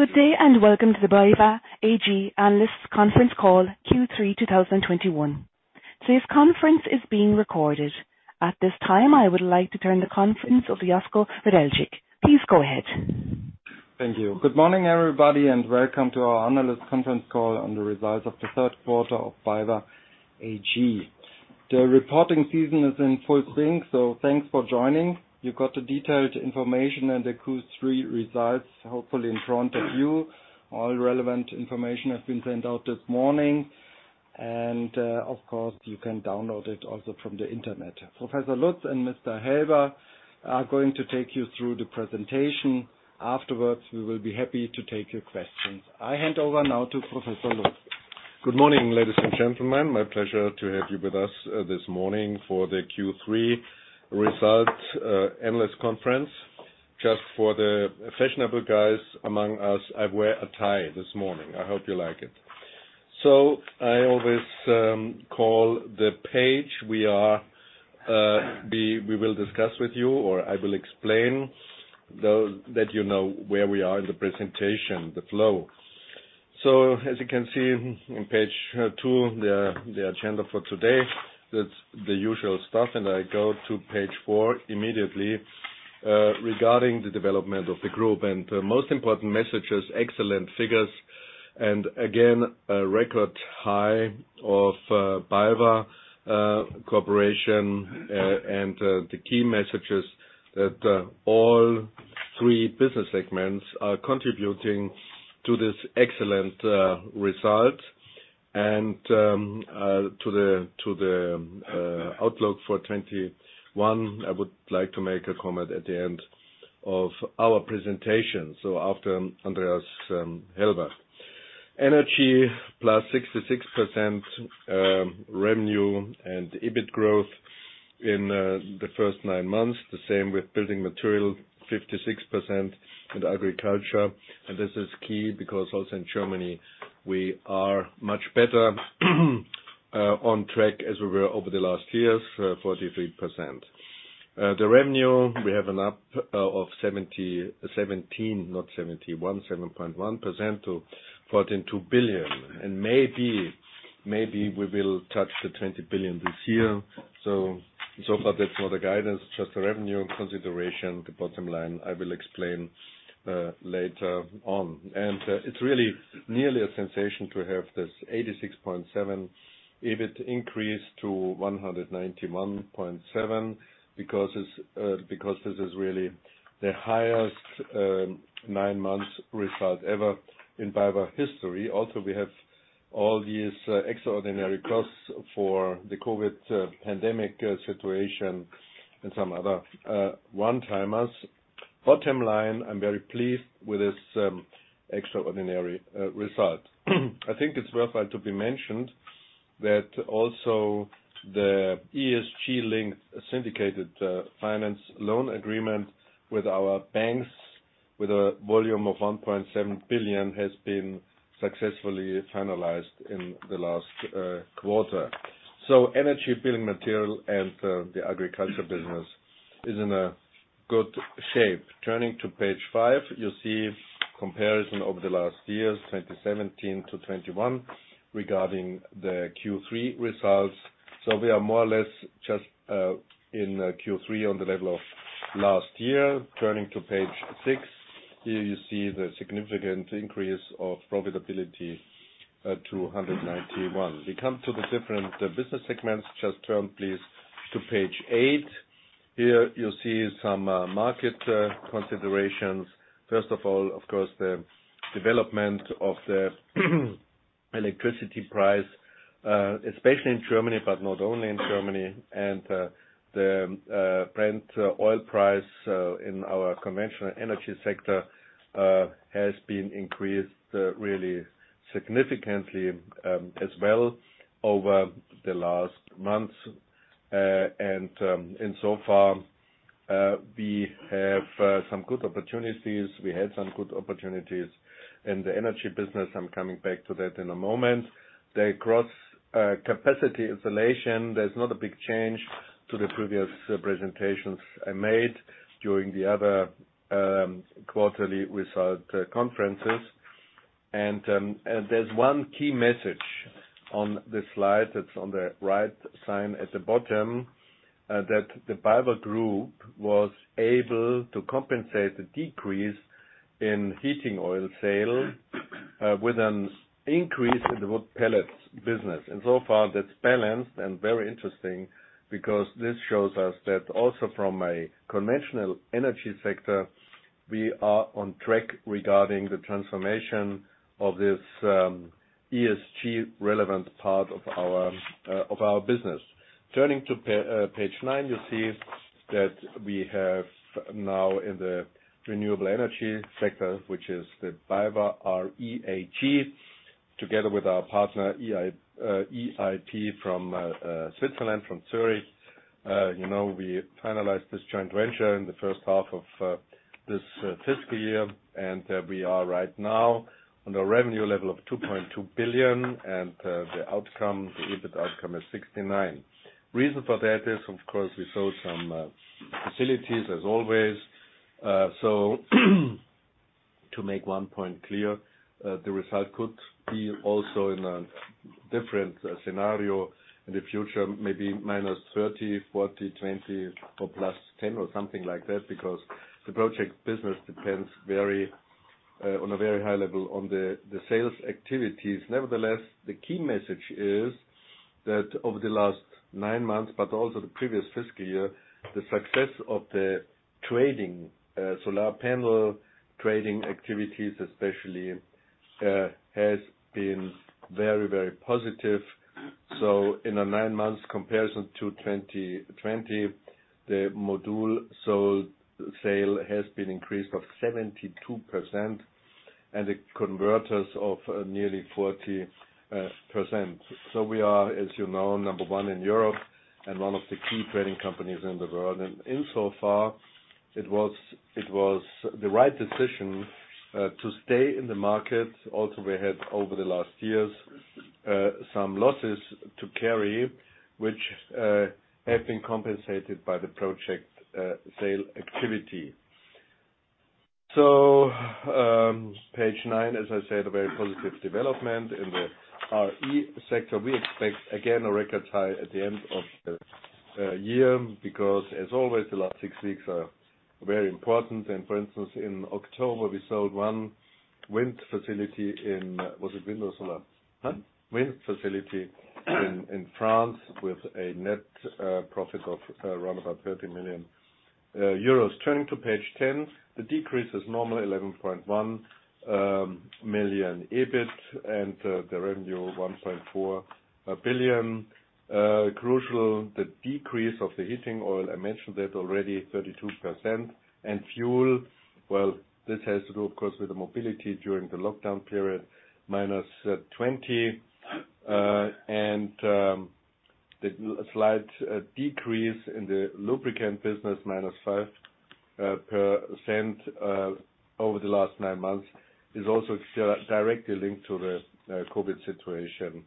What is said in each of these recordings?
Good day and welcome to the BayWa AG analyst conference call Q3 2021. Today's conference is being recorded. At this time, I would like to turn the conference over to Josko Radeljic. Please go ahead. Thank you. Good morning, everybody, and welcome to our analyst conference call on the results of the third quarter of BayWa AG. The reporting season is in full swing, so thanks for joining. You've got the detailed information and the Q3 results, hopefully in front of you. All relevant information has been sent out this morning, and, of course, you can download it also from the Internet. Professor Lutz and Mr. Helber are going to take you through the presentation. Afterwards, we will be happy to take your questions. I hand over now to Professor Lutz. Good morning, ladies and gentlemen. My pleasure to have you with us this morning for the Q3 results analyst conference. Just for the fashionable guys among us, I wear a tie this morning. I hope you like it. I always call the page we will discuss with you, or I will explain so that you know where we are in the presentation, the flow. As you can see in page two, the agenda for today, that's the usual stuff. I go to page four immediately regarding the development of the group. The most important message is excellent figures and again, a record high of BayWa corporation. The key message is that all three business segments are contributing to this excellent result. To the outlook for 2021, I would like to make a comment at the end of our presentation, so after Andreas Helber. Energy, +66% revenue and EBIT growth in the first nine months. The same with Building Materials, 56% in Agriculture. This is key because also in Germany, we are much better on track as we were over the last years, 43%. The revenue we have an up of 17.1% to 14 billion. Maybe we will touch 20 billion this year. So far that's not the guidance, just the revenue consideration. The bottom line I will explain later on. It's really nearly a sensation to have this 86.7% EBIT increase to 191.7 million, because this is really the highest nine months result ever in BayWa history. Also, we have all these extraordinary costs for the COVID pandemic situation and some other one-timers. Bottom line, I'm very pleased with this extraordinary result. I think it's worthwhile to be mentioned that also the ESG-linked syndicated finance loan agreement with our banks with a volume of 1.7 billion has been successfully finalized in the last quarter. Energy, building materials and the agriculture business is in a good shape. Turning to page five, you see comparison over the last years, 2017 to 2021 regarding the Q3 results. We are more or less just in Q3 on the level of last year. Turning to page six. Here you see the significant increase of profitability to 191 million. We come to the different business segments. Just turn, please, to page eight. Here you see some market considerations. First of all, of course, the development of the electricity price, especially in Germany, but not only in Germany. The Brent oil price in our conventional energy sector has been increased really significantly as well over the last months. So far we have some good opportunities. We had some good opportunities in the energy business. I'm coming back to that in a moment. The gross capacity installation, there's not a big change to the previous presentations I made during the other quarterly result conferences. There's one key message on this slide that's on the right side at the bottom that the BayWa Group was able to compensate the decrease in heating oil sale with an increase in the wood pellets business. So far, that's balanced and very interesting because this shows us that also from a conventional energy sector, we are on track regarding the transformation of this ESG relevant part of our business. Turning to page nine, you see that we have now in the renewable energy sector, which is the BayWa r.e. AG, together with our partner EIP from Switzerland, from Zurich. You know, we finalized this joint venture in the first half of this fiscal year. We are right now on the revenue level of 2.2 billion. The outcome, the EBIT outcome is 69 million. Reason for that is of course we sold some facilities as always. To make one point clear, the result could be also in a different scenario in the future, maybe -30 million, -40 million, -20 million, or +10 million, or something like that, because the project business depends very on a very high level on the sales activities. Nevertheless, the key message is that over the last nine months, but also the previous fiscal year, the success of the trading solar panel trading activities especially has been very, very positive. In a 9 months comparison to 2020, the module sale has been increased of 72% and the converters of nearly 40%. We are, as you know, number one in Europe and one of the key trading companies in the world. In so far, it was the right decision to stay in the market. Also, we had over the last years some losses to carry, which have been compensated by the project sale activity. Page nine, as I said, a very positive development. In the RE sector, we expect again a record high at the end of the year because as always, the last six weeks are very important. For instance, in October, we sold one wind facility. Was it wind or solar? Wind facility in France with a net profit of round about 30 million euros. Turning to page ten. The decrease is normally 11.1 million EBIT and the revenue 1.4 billion. Crucial, the decrease of the heating oil, I mentioned that already, 32%. Fuel, well, this has to do of course with the mobility during the lockdown period, -20%. The slight decrease in the lubricant business, -5% over the last nine months, is also directly linked to the COVID situation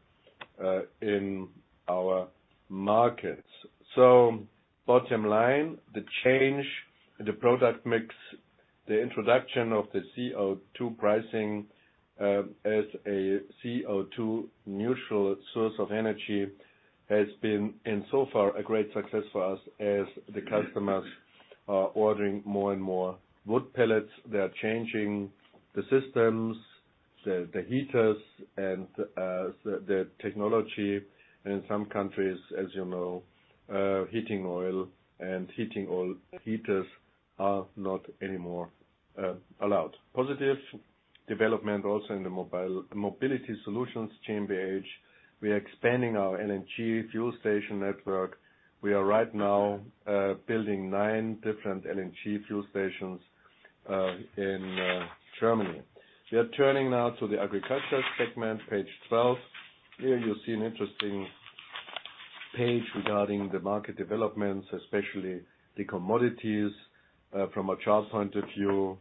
in our markets. Bottom line, the change in the product mix, the introduction of the CO2 pricing as a CO2 neutral source of energy has been, in so far, a great success for us as the customers are ordering more and more wood pellets. They are changing the systems, the heaters and the technology. In some countries, as you know, heating oil and heating oil heaters are not anymore allowed. Positive development also in the mobility solutions chain page. We are expanding our LNG fuel station network. We are right now building nine different LNG fuel stations in Germany. We are turning now to the agriculture segment, page 12. Here you see an interesting page regarding the market developments, especially the commodities, from a charts point of view.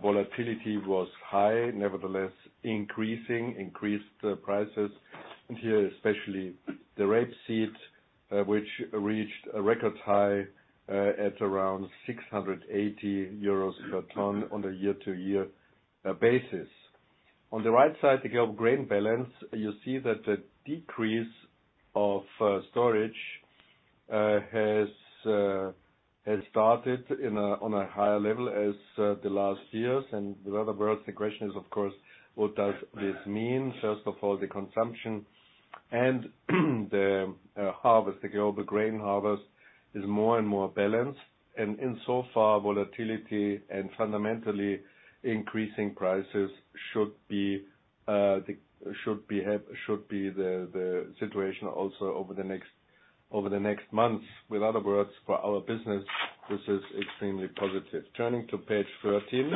Volatility was high, nevertheless, increasing, increased prices. Here, especially the rapeseed, which reached a record high, at around 680 euros per ton on a year-to-year basis. On the right side, the global grain balance, you see that the decrease of storage has started on a higher level as the last years. In other words, the question is, of course, what does this mean? First of all, the consumption and the harvest, the global grain harvest is more and more balanced. In so far, volatility and fundamentally increasing prices should be the situation also over the next months. In other words, for our business, this is extremely positive. Turning to page 13.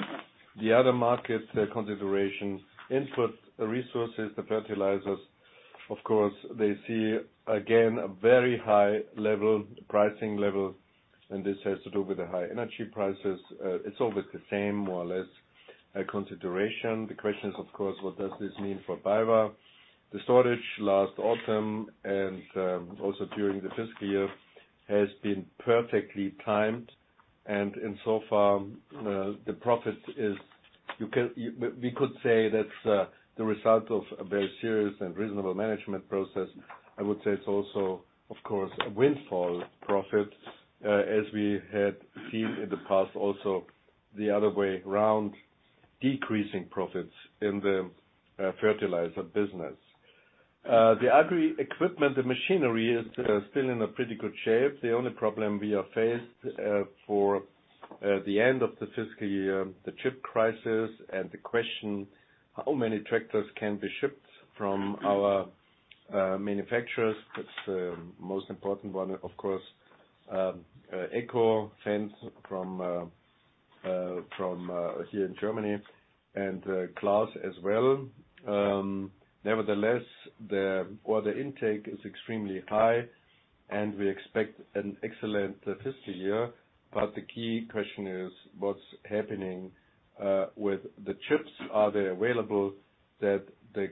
The other market consideration input resources, the fertilizers, of course, they see again a very high level, pricing level, and this has to do with the high energy prices. It's always the same, more or less, consideration. The question is, of course, what does this mean for BayWa? The storage last autumn and, also during the fiscal year has been perfectly timed. In so far, the profit is the result of a very serious and reasonable management process. I would say it's also, of course, a windfall profit, as we had seen in the past, also the other way around, decreasing profits in the fertilizer business. The agri equipment and machinery is still in a pretty good shape. The only problem we are faced for the end of the fiscal year, the chip crisis and the question, how many tractors can be shipped from our manufacturers? That's the most important one, of course. AGCO, Fendt from here in Germany, and CLAAS as well. Nevertheless, the order intake is extremely high, and we expect an excellent fiscal year. The key question is what's happening with the chips. Are they available so that the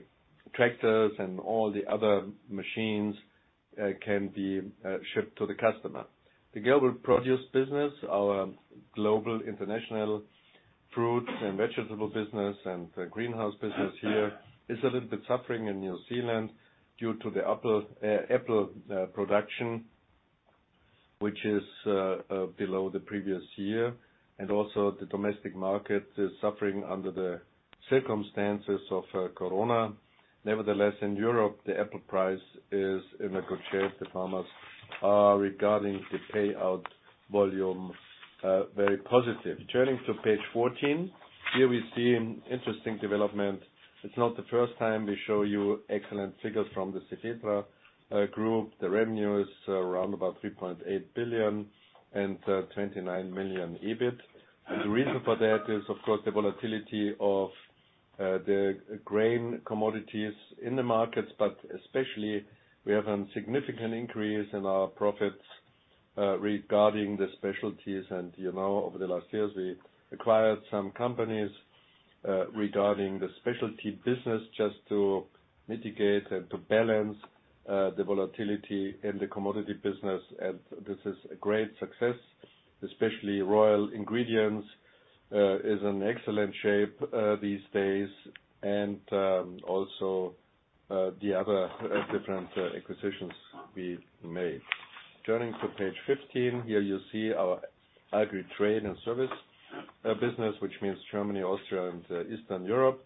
tractors and all the other machines can be shipped to the customer. The global produce business, our global international fruits and vegetable business and the greenhouse business here is a little bit suffering in New Zealand due to the apple production, which is below the previous year. Also the domestic market is suffering under the circumstances of Corona. Nevertheless, in Europe, the apple price is in a good shape. The farmers are very positive regarding the payout volume very positive. Turning to page 14, here we see an interesting development. It's not the first time we show you excellent figures from the Cefetra Group. The revenue is around about 3.8 billion and 29 million EBIT. The reason for that is, of course, the volatility of the grain commodities in the markets, but especially we have a significant increase in our profits regarding the specialties. You know, over the last years, we acquired some companies regarding the specialty business just to mitigate and to balance the volatility in the commodity business. This is a great success, especially Royal Ingredients is in excellent shape these days, and also the other different acquisitions we made. Turning to page 15, here you see our agri trade and service business, which means Germany, Austria, and Eastern Europe.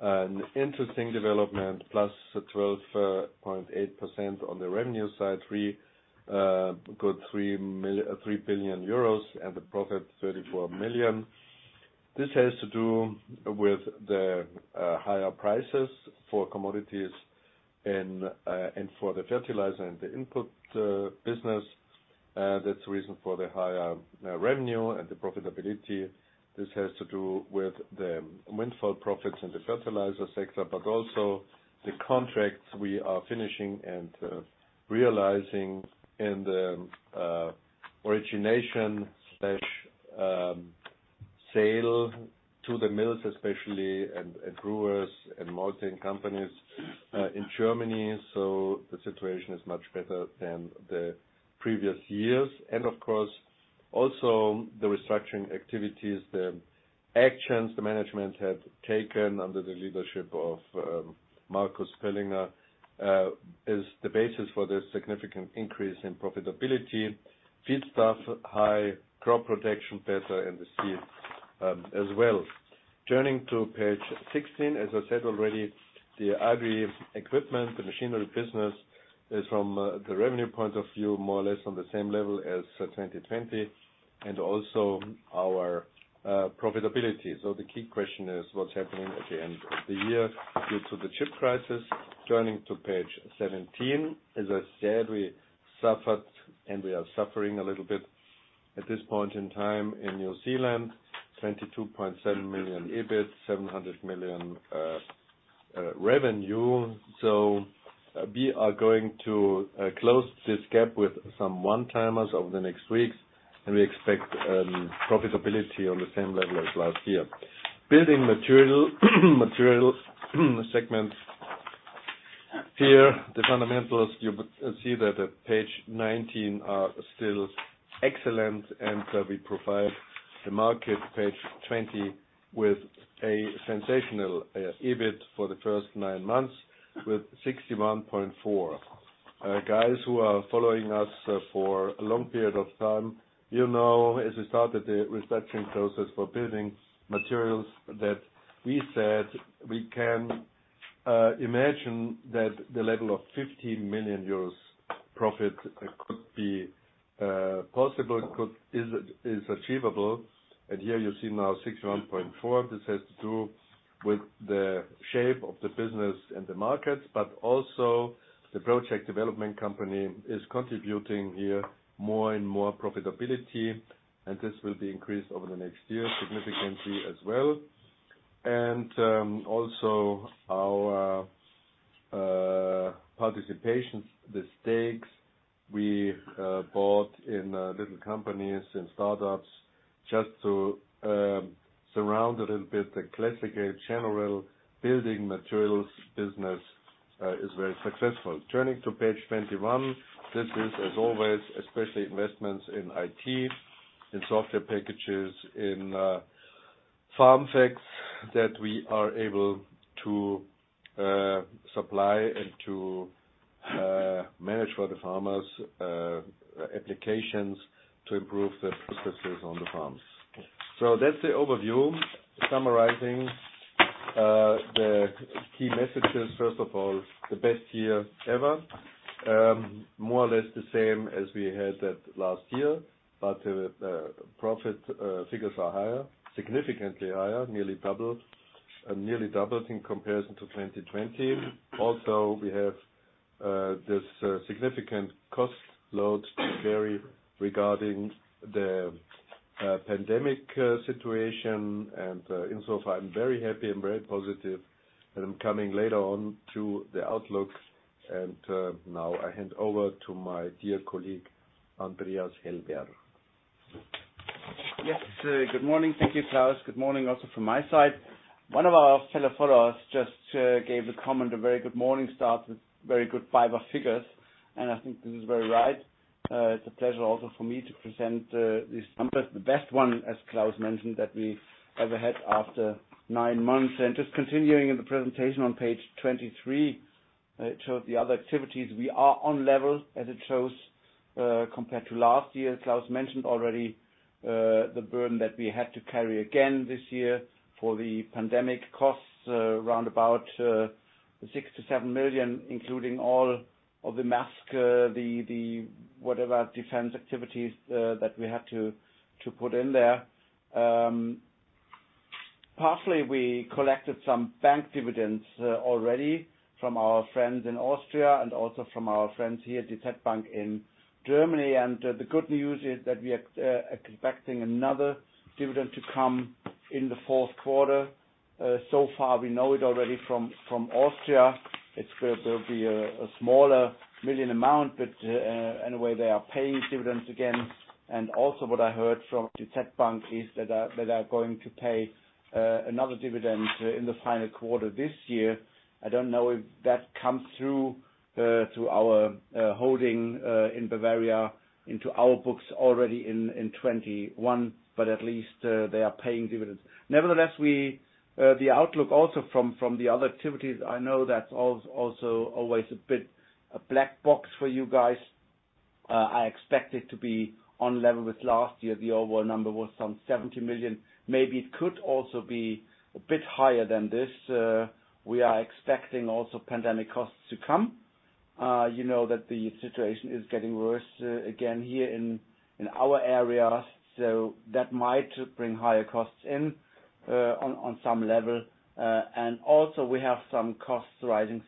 An interesting development, +12.8% on the revenue side, we got 3 billion euros and the profit 34 million. This has to do with the higher prices for commodities and for the fertilizer and the input business. That's the reason for the higher revenue and the profitability. This has to do with the windfall profits in the fertilizer sector, but also the contracts we are finishing and realizing in the origination/sale to the mills especially and brewers and malting companies in Germany. The situation is much better than the previous years. Of course, also the restructuring activities, the actions the management had taken under the leadership of Marcus Pöllinger is the basis for this significant increase in profitability. Feedstuff high, crop protection better, and the seeds as well. Turning to page sixteen, as I said already, the agri equipment, the machinery business is from the revenue point of view, more or less on the same level as 2020 and also our profitability. The key question is what's happening at the end of the year due to the chip crisis. Turning to page seventeen. As I said, we suffered and we are suffering a little bit at this point in time in New Zealand, 22.7 million EBIT, 700 million revenue. We are going to close this gap with some one-timers over the next weeks and we expect profitability on the same level as last year. Building material, materials segment. Here, the fundamentals you see that at page 19 are still excellent, and we provide the market, page 20, with a sensational EBIT for the first nine months with 61.4 million. Guys who are following us for a long period of time, you know, as we started the restructuring process for building materials that we said we can imagine that the level of 15 million euros profit could be possible is achievable. Here you see now 61.4 million. This has to do with the shape of the business and the markets, but also the project development company is contributing here more and more profitability, and this will be increased over the next year significantly as well. also our participations, the stakes we bought in little companies and startups just to surround a little bit the classical general building materials business is very successful. Turning to page 21. This is, as always, especially investments in IT, in software packages, in FarmFacts that we are able to supply and to manage for the farmers applications to improve the processes on the farms. That's the overview. Summarizing the key messages, first of all, the best year ever. More or less the same as we had that last year, but the profit figures are higher, significantly higher, nearly double, nearly doubled in comparison to 2020. Also, we have this significant cost load to carry regarding the pandemic situation. Insofar, I'm very happy and very positive, and I'm coming later on to the outlooks. Now I hand over to my dear colleague, Andreas Helber. Yes. Good morning. Thank you, Klaus. Good morning also from my side. One of our fellow followers just gave the comment, a very good morning start with very good fiber figures, and I think this is very right. It's a pleasure also for me to present these numbers, the best one, as Klaus mentioned, that we ever had after months. Just continuing in the presentation on page 23, it shows the other activities. We are on level, as it shows, compared to last year. Klaus mentioned already the burden that we had to carry again this year for the pandemic costs, around about 6 million-7 million, including all of the mask, the whatever defense activities, that we had to put in there. Partially, we collected some bank dividends already from our friends in Austria and also from our friends here at the DZ Bank in Germany. The good news is that we are expecting another dividend to come in the fourth quarter. So far, we know it already from Austria. It'll be a smaller million amount, but anyway, they are paying dividends again. Also what I heard from the DZ Bank is that they are going to pay another dividend in the final quarter this year. I don't know if that comes through our holding in Bavaria into our books already in 2021, but at least they are paying dividends. Nevertheless, the outlook also from the other activities. I know that's also always a bit of a black box for you guys. I expect it to be on level with last year. The overall number was some 70 million. Maybe it could also be a bit higher than this. We are expecting also pandemic costs to come. You know that the situation is getting worse again here in our area. That might bring higher costs in on some level. We have seen some costs rising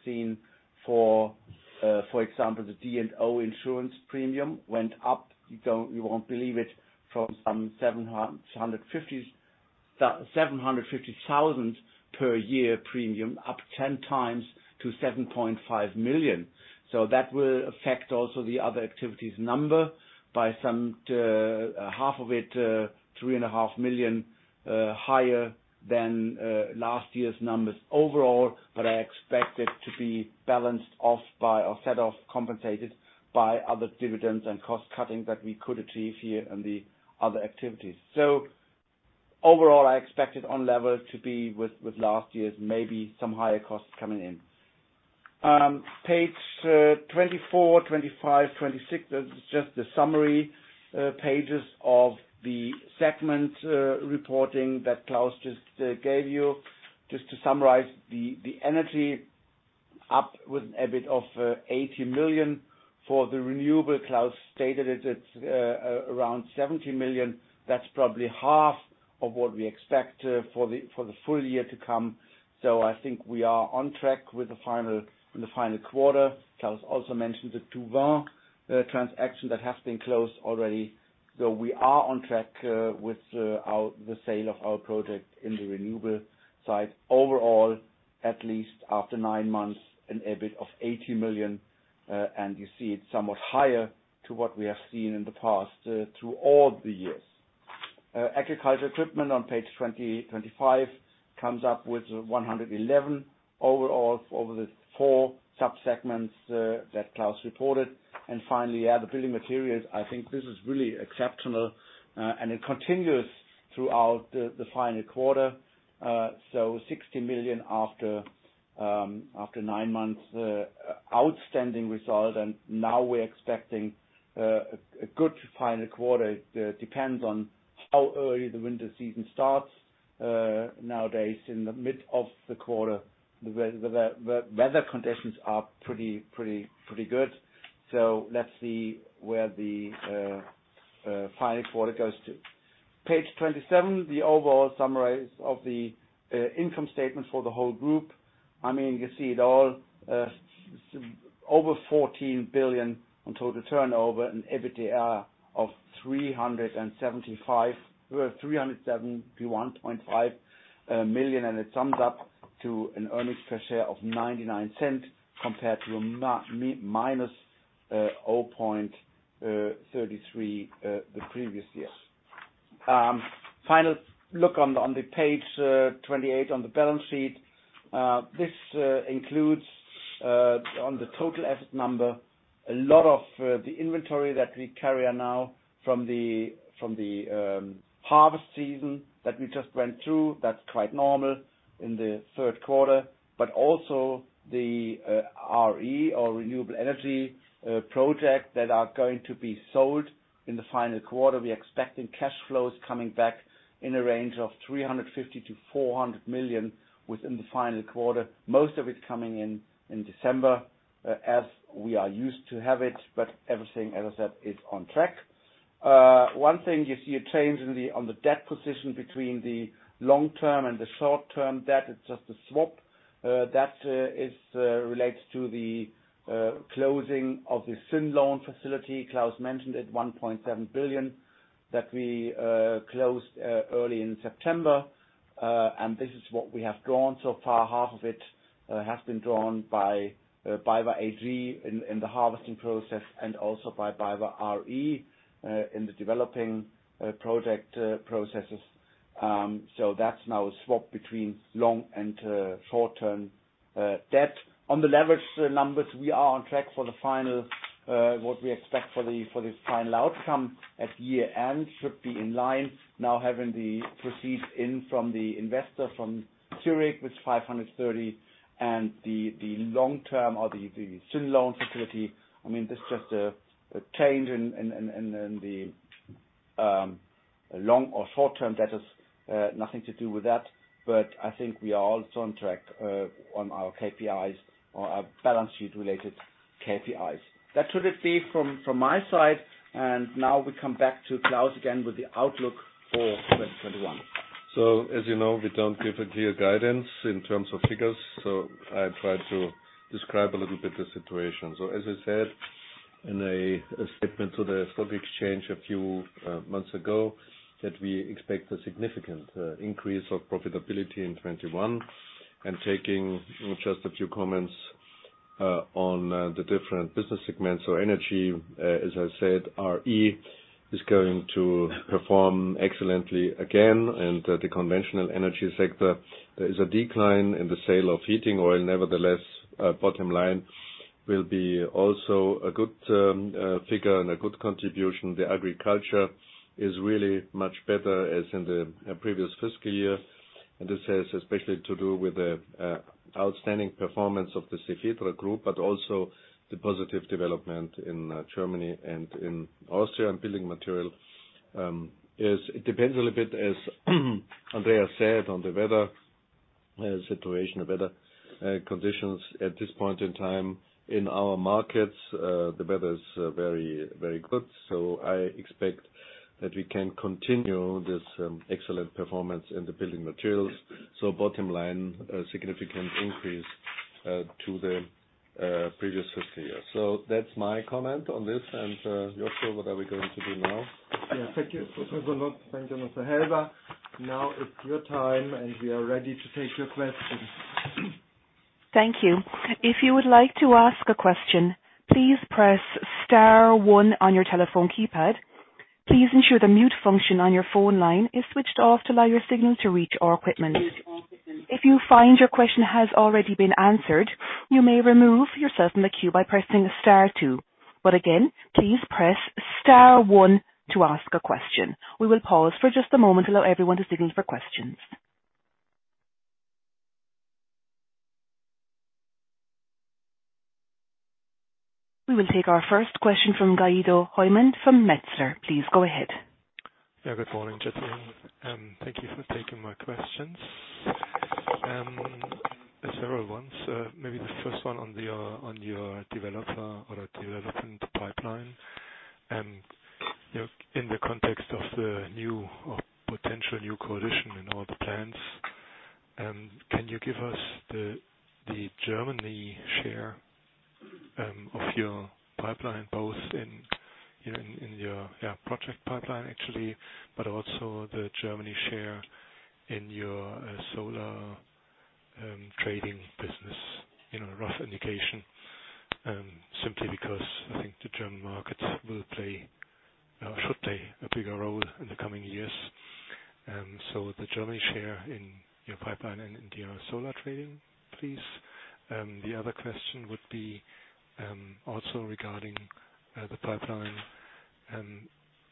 for example, the D&O insurance premium went up. You won't believe it, from some 750,000 per year premium, up 10x to 7.5 million. That will affect also the other activities number by some half of it, 3.5 million higher than last year's numbers overall. I expect it to be balanced off by or set off, compensated by other dividends and cost cutting that we could achieve here in the other activities. Overall, I expect it on level to be with last year's, maybe some higher costs coming in. Page 24, 25, 26, that's just the summary pages of the segment reporting that Klaus just gave you. Just to summarize the energy up with an EBIT of 80 million. For the renewable, Klaus stated it's around 70 million. That's probably half of what we expect for the full year to come. I think we are on track with the final quarter. Klaus also mentioned the Tout Vent transaction that has been closed already. We are on track with the sale of our product in the renewable side. Overall, at least after nine months, an EBIT of 80 million, and you see it somewhat higher to what we have seen in the past through all the years. Agriculture equipment on page 25 comes up with 111 overall over the four sub-segments that Klaus reported. Finally, the building materials, I think this is really exceptional, and it continues throughout the final quarter. 60 million after nine months, outstanding result. Now we're expecting a good final quarter. It depends on how early the winter season starts. Nowadays, in the mid of the quarter, the weather conditions are pretty good. Let's see where the final quarter goes to. Page 27, the overall summary of the income statement for the whole group. I mean, you can see it all. Over 14 billion in total turnover and EBITDA of 371.5 million. It sums up to an earnings per share of 0.99 compared to -0.33 the previous year. Final look on the page 28 on the balance sheet. This includes on the total asset number a lot of the inventory that we carry on now from the harvest season that we just went through. That's quite normal in the third quarter, but also the RE or renewable energy projects that are going to be sold in the final quarter. We're expecting cash flows coming back in a range of 350 million-400 million within the final quarter. Most of it coming in December, as we are used to have it, but everything, as I said, is on track. One thing you see a change in the debt position between the long-term and the short-term debt, it's just a swap. That is related to the closing of the syn loan facility. Klaus mentioned it, 1.7 billion that we closed early in September. This is what we have drawn so far. Half of it has been drawn by BayWa AG in the harvesting process and also by BayWa r.e. In the developing project processes. That's now swapped between long and short-term debt. On the leverage numbers, we are on track for the final what we expect for this final outcome at year-end should be in line now having the proceeds in from the investor from Zurich with 530 million and the long-term or the syn loan facility. I mean, that's just a change in the long or short-term debt. Nothing to do with that, but I think we are also on track on our KPIs or our balance sheet related KPIs. That should be it from my side, and now we come back to Klaus again with the outlook for 2021. As you know, we don't give a clear guidance in terms of figures, so I try to describe a little bit the situation. As I said in a statement to the stock exchange a few months ago, that we expect a significant increase of profitability in 2021. Taking just a few comments on the different business segments in Energy, as I said, RE is going to perform excellently again. The conventional energy sector, there is a decline in the sales of heating oil. Nevertheless, bottom line will also be a good figure and a good contribution. The Agriculture is really much better as in the previous fiscal year. This has especially to do with the outstanding performance of the Cefetra group, but also the positive development in Germany and in Austria. Building materials, it depends a little bit, as Andreas said, on the weather situation, the weather conditions at this point in time in our markets. The weather is very, very good, so I expect that we can continue this excellent performance in the Building Materials. Bottom line, a significant increase to the previous fiscal year. That's my comment on this. Josko, what are we going to do now? Yeah, thank you Professor Lutz. Thank you, Mr. Helber. Now it's your time, and we are ready to take your questions. Thank you. If you would like to ask a question, please press star one on your telephone keypad. Please ensure the mute function on your phone line is switched off to allow your signal to reach our equipment. If you find your question has already been answered, you may remove yourself from the queue by pressing star two. Again, please press star one to ask a question. We will pause for just a moment to allow everyone to signal for questions. We will take our first question from Guido Hoymann from Metzler. Please go ahead. Yeah, good morning, gentlemen, and thank you for taking my questions. Several ones. Maybe the first one on your, on your developer or development pipeline. You know, in the context of the new or potential new coalition in all the plans, can you give us the Germany share of your pipeline, both in your project pipeline, actually, but also the Germany share in your solar trading business? You know, a rough indication, simply because I think the German market will play or should play a bigger role in the coming years. The Germany share in your pipeline and in your solar trading, please. The other question would be, also regarding the pipeline.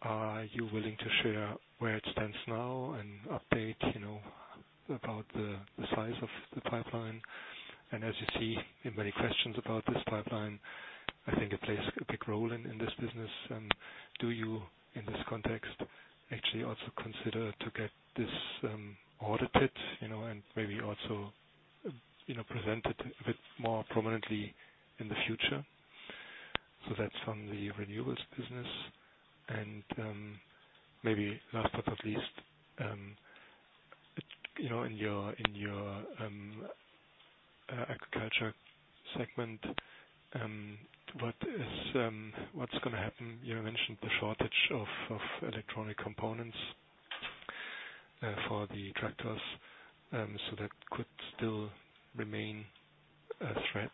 Are you willing to share where it stands now and update, you know, about the size of the pipeline? As you see in many questions about this pipeline, I think it plays a big role in this business. Do you, in this context, actually also consider to get this audited, you know, and maybe also, you know, present it a bit more prominently in the future? That's on the renewables business. Maybe last but not least, you know, in your agriculture segment, what's gonna happen? You mentioned the shortage of electronic components for the tractors. That could still remain a threat.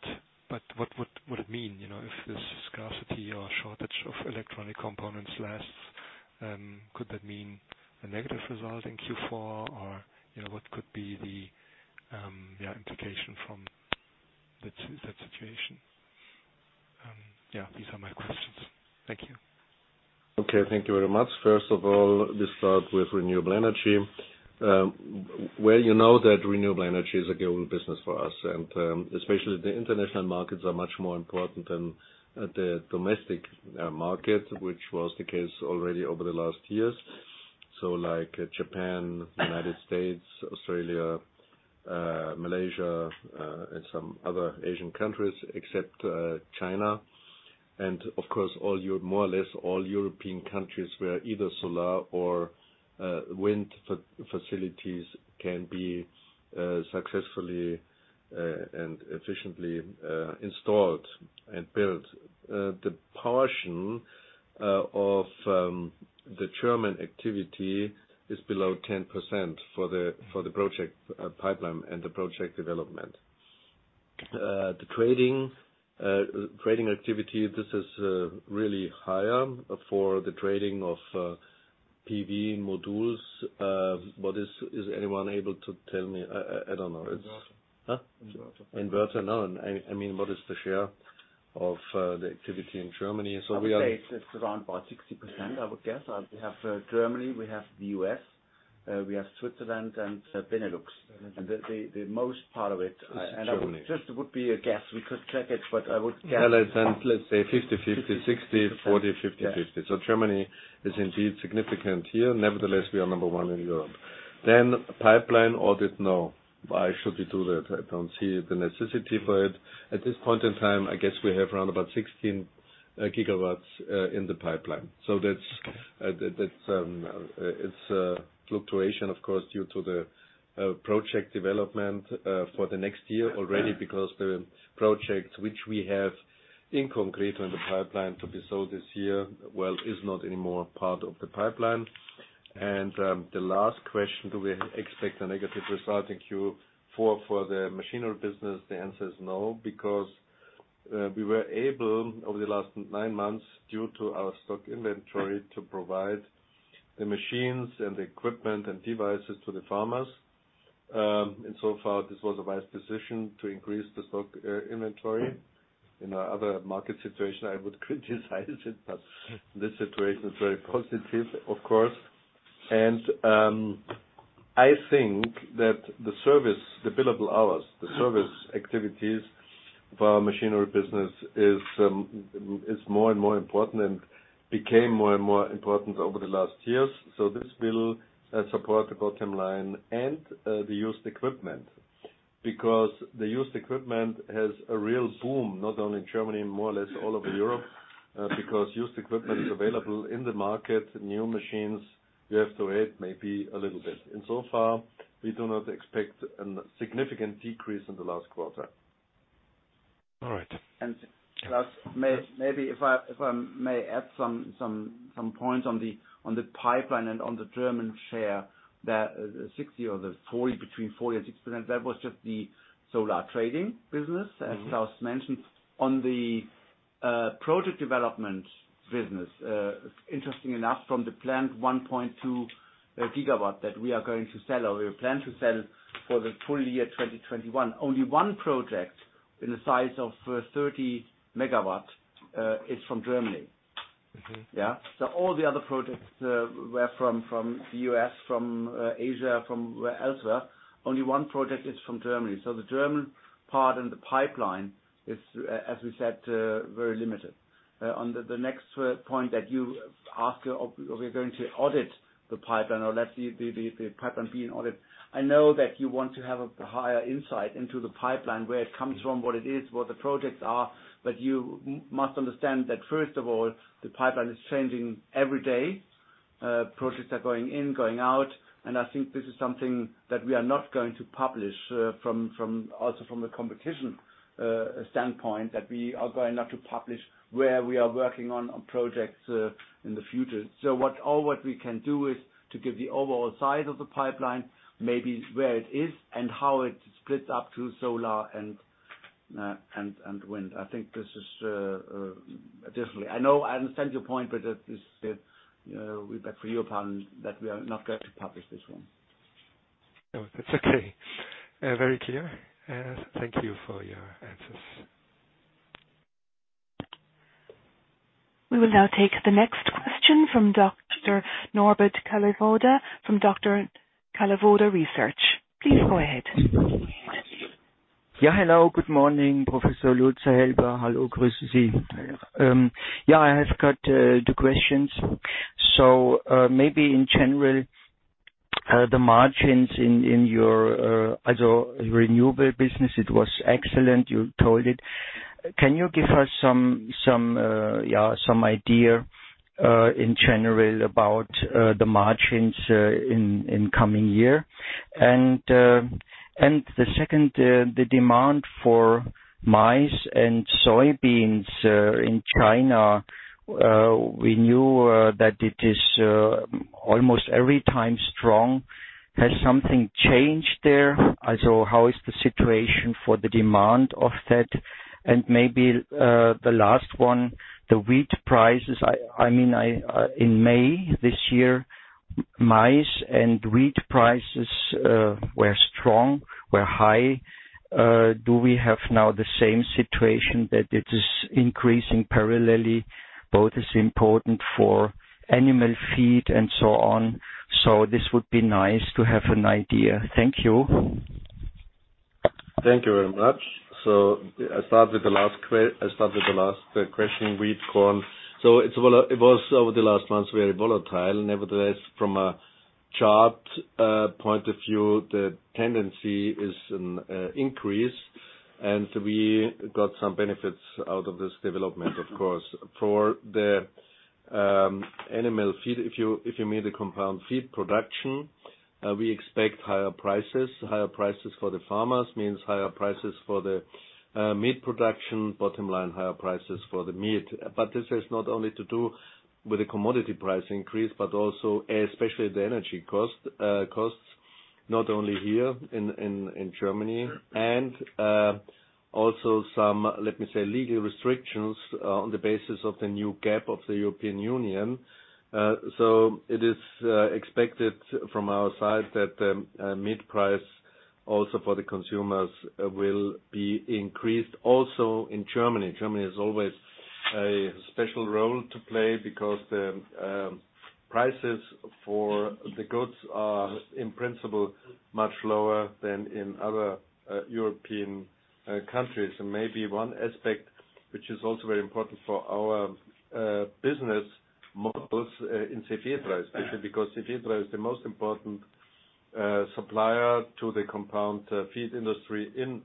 But what would it mean, you know, if this scarcity or shortage of electronic components lasts, could that mean a negative result in Q4? Or, you know, what could be the implication from that situation? These are my questions. Thank you. Okay. Thank you very much. First of all, we start with renewable energy. Well you know that renewable energy is a growing business for us, and especially the international markets are much more important than the domestic market, which was the case already over the last years. Like Japan, United States, Australia, Malaysia, and some other Asian countries except China. Of course, more or less all European countries where either solar or wind facilities can be successfully and efficiently installed and built. The portion of the German activity is below 10% for the project pipeline and the project development. The trading activity, this is really higher for the trading of PV modules. Is anyone able to tell me? I don't know. Inverter. Inverter? No. I mean, what is the share of the activity in Germany? We are. I would say it's around about 60%, I would guess. We have Germany, we have the U.S., we have Switzerland and Benelux, the most part of it. In Germany. Just would be a guess. We could check it, but I would guess. Let's say 50/50, 60/40, 40/60. Yes. Germany is indeed significant here. Nevertheless, we are number one in Europe. Pipeline audit, no. Why should we do that? I don't see the necessity for it. At this point in time, I guess we have around about 16 GW in the pipeline. So that's, it's a fluctuation, of course, due to the project development for the next year already, because the projects which we have in concrete on the pipeline to be sold this year, well, is not anymore part of the pipeline. The last question, do we expect a negative result in Q4 for the machinery business? The answer is no, because we were able, over the last nine months, due to our stock inventory, to provide the machines and the equipment and devices to the farmers. This was a wise decision to increase the stock inventory. In another market situation, I would criticize it, but this situation is very positive, of course. I think that the service, the billable hours, the service activities for our machinery business is more and more important and became more and more important over the last years. This will support the bottom line and the used equipment. Because the used equipment has a real boom, not only in Germany, in more or less all over Europe, because used equipment is available in the market. New machines, you have to wait maybe a little bit. We do not expect a significant decrease in the last quarter. All right. Klaus, maybe if I may add some points on the pipeline and on the German share, between 40% and 60%, that was just the solar trading business, as Klaus mentioned. On the project development business, interesting enough, from the planned 1.2 GW that we are going to sell or we plan to sell for the full year 2021, only one project in the size of 30 MW is from Germany. Yeah. All the other projects were from the U.S., from Asia, from elsewhere. Only one project is from Germany. The German part in the pipeline is, as we said, very limited. On the next point that you asked if we're going to audit the pipeline or let the pipeline be audited. I know that you want to have a higher insight into the pipeline, where it comes from, what it is, what the projects are, but you must understand that first of all, the pipeline is changing every day. Projects are going in, going out, and I think this is something that we are not going to publish, also from a competitive standpoint, that we are not going to publish where we are working on projects in the future. What all we can do is to give the overall size of the pipeline, maybe where it is and how it splits up to solar and wind. I think this is definitely. I understand your point, but this is we beg your pardon that we are not going to publish this one. No, it's okay. Very clear. Thank you for your answers. We will now take the next question from Dr. Norbert Kalliwoda from Dr. Kalliwoda Research. Please go ahead. Yeah, hello. Good morning, Professor Lutz Helber. Hello. Yeah, I have got two questions. Maybe in general, the margins in your as a renewable business, it was excellent, you told it. Can you give us some idea in general about the margins in coming year? The second, the demand for maize and soybeans in China, we knew that it is almost every time strong. Has something changed there? As in how is the situation for the demand of that? Maybe the last one, the wheat prices. I mean, in May this year, maize and wheat prices were strong, were high. Do we have now the same situation that it is increasing parallelly? Both is important for animal feed and so on. This would be nice to have an idea. Thank you. Thank you very much. I start with the last question, wheat, corn. It was over the last months very volatile. Nevertheless, from a chart point of view, the tendency is an increase. We got some benefits out of this development, of course. For the animal feed, if you mean the compound feed production, we expect higher prices. Higher prices for the farmers means higher prices for the meat production. Bottom line, higher prices for the meat. This has not only to do with the commodity price increase, but also, especially the energy costs, not only here in Germany and also some, let me say, legal restrictions on the basis of the new CAP of the European Union. It is expected from our side that meat price also for the consumers will be increased also in Germany. Germany has always a special role to play because the prices for the goods are, in principle, much lower than in other European countries. Maybe one aspect which is also very important for our business models in Cefetra especially, because Cefetra is the most important supplier to the compound feed industry in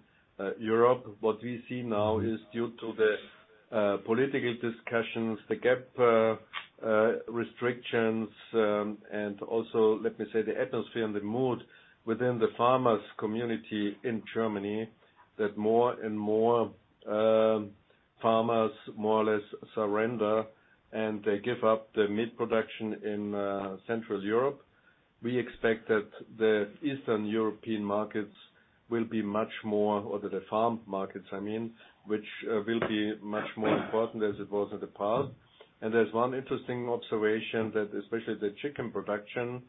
Europe. What we see now is due to the political discussions, the CAP restrictions, and also, let me say, the atmosphere and the mood within the farmers community in Germany, that more and more farmers more or less surrender, and they give up the meat production in Central Europe. We expect that the Eastern European markets will be much more. Or the farm markets, I mean, which will be much more important as it was in the past. There's one interesting observation that especially the chicken production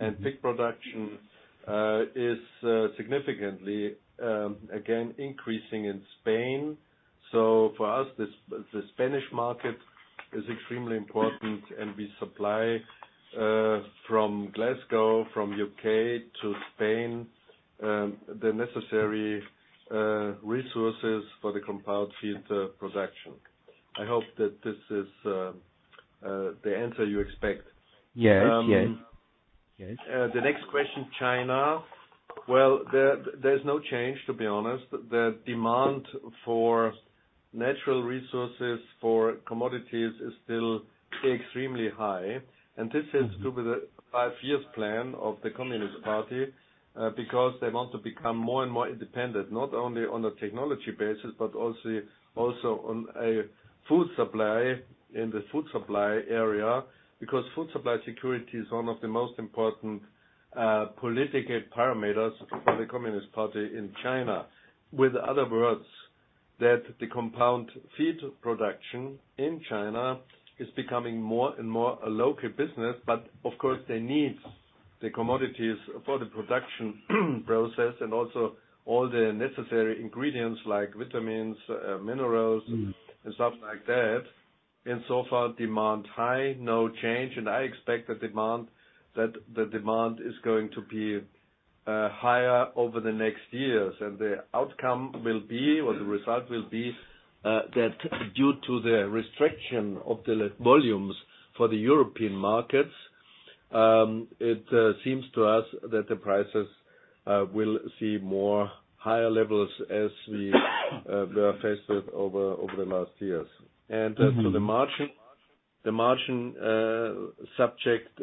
and pig production is significantly again increasing in Spain. For us, the Spanish market is extremely important, and we supply from Glasgow, from the U.K. to Spain the necessary resources for the compound feed production. I hope that this is the answer you expect. Yes. Yes. Yes. The next question, China. Well, there's no change, to be honest. The demand for natural resources for commodities is still extremely high. This has to do with the five-year plan of the Communist Party, because they want to become more and more independent, not only on a technology basis, but also on a food supply, in the food supply area, because food supply security is one of the most important political parameters for the Communist Party in China. In other words, the compound feed production in China is becoming more and more a local business. Of course, they need the commodities for the production process, and also all the necessary ingredients like vitamins, minerals. Stuff like that. So far, demand high, no change. I expect the demand is going to be higher over the next years. The outcome will be, or the result will be, that due to the restriction of the volumes for the European markets, it seems to us that the prices will see more higher levels as we were faced with over the last years. Mm-hmm. To the margin subject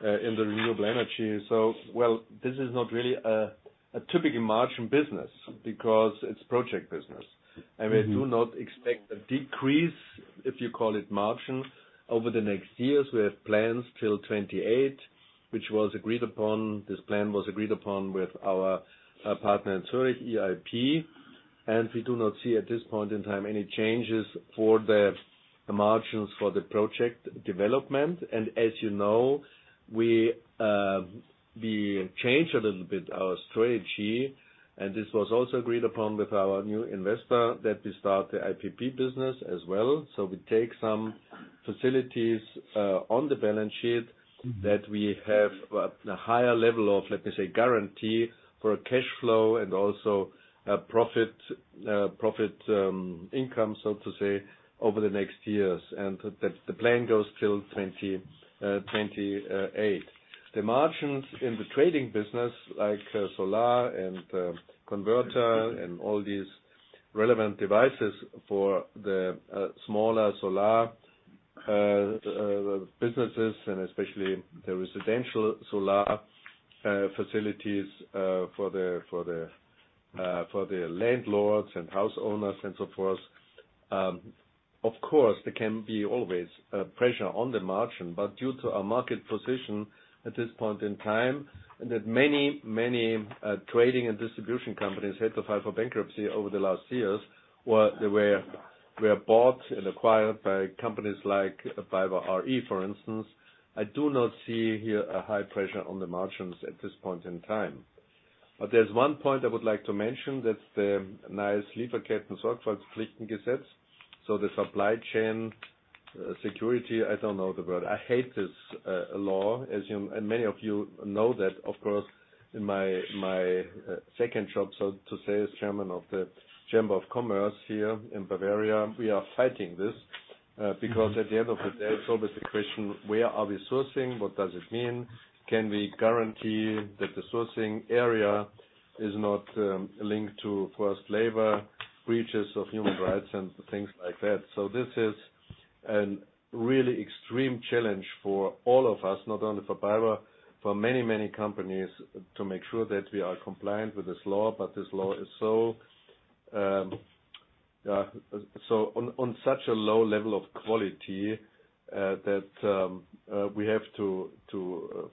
in the renewable energy. Well, this is not really a typical margin business because it's project business. Mm-hmm. We do not expect a decrease, if you call it margin, over the next years. We have plans till 2028, which was agreed upon. This plan was agreed upon with our partner in Zurich, EIP, and we do not see at this point in time any changes for the margins for the project development. As you know, we changed a little bit our strategy, and this was also agreed upon with our new investor that we start the IPP business as well. We take some facilities on the balance sheet. Mm-hmm. That we have a higher level of, let me say, guarantee for cash flow and also profit income, so to say, over the next years. That the plan goes till 2028. The margins in the trading business like solar and converter and all these relevant devices for the smaller solar businesses and especially the residential solar facilities for the landlords and house owners and so forth. Of course, there can always be pressure on the margin, but due to our market position at this point in time, that many trading and distribution companies had to file for bankruptcy over the last years, they were bought and acquired by companies like BayWa r.e. For instance. I do not see here a high pressure on the margins at this point in time. There's one point I would like to mention, that the new Lieferkettensorgfaltspflichtengesetz, so the supply chain security, I don't know the word. I hate this law, as you and many of you know that, of course, in my second job, so to say, as chairman of the Chamber of Commerce here in Bavaria, we are fighting this. Because at the end of the day, it's always the question, where are we sourcing? What does it mean? Can we guarantee that the sourcing area is not linked to forced labor, breaches of human rights and things like that? This is a really extreme challenge for all of us, not only for BayWa, for many, many companies, to make sure that we are compliant with this law, but this law is so on such a low level of quality, that we have to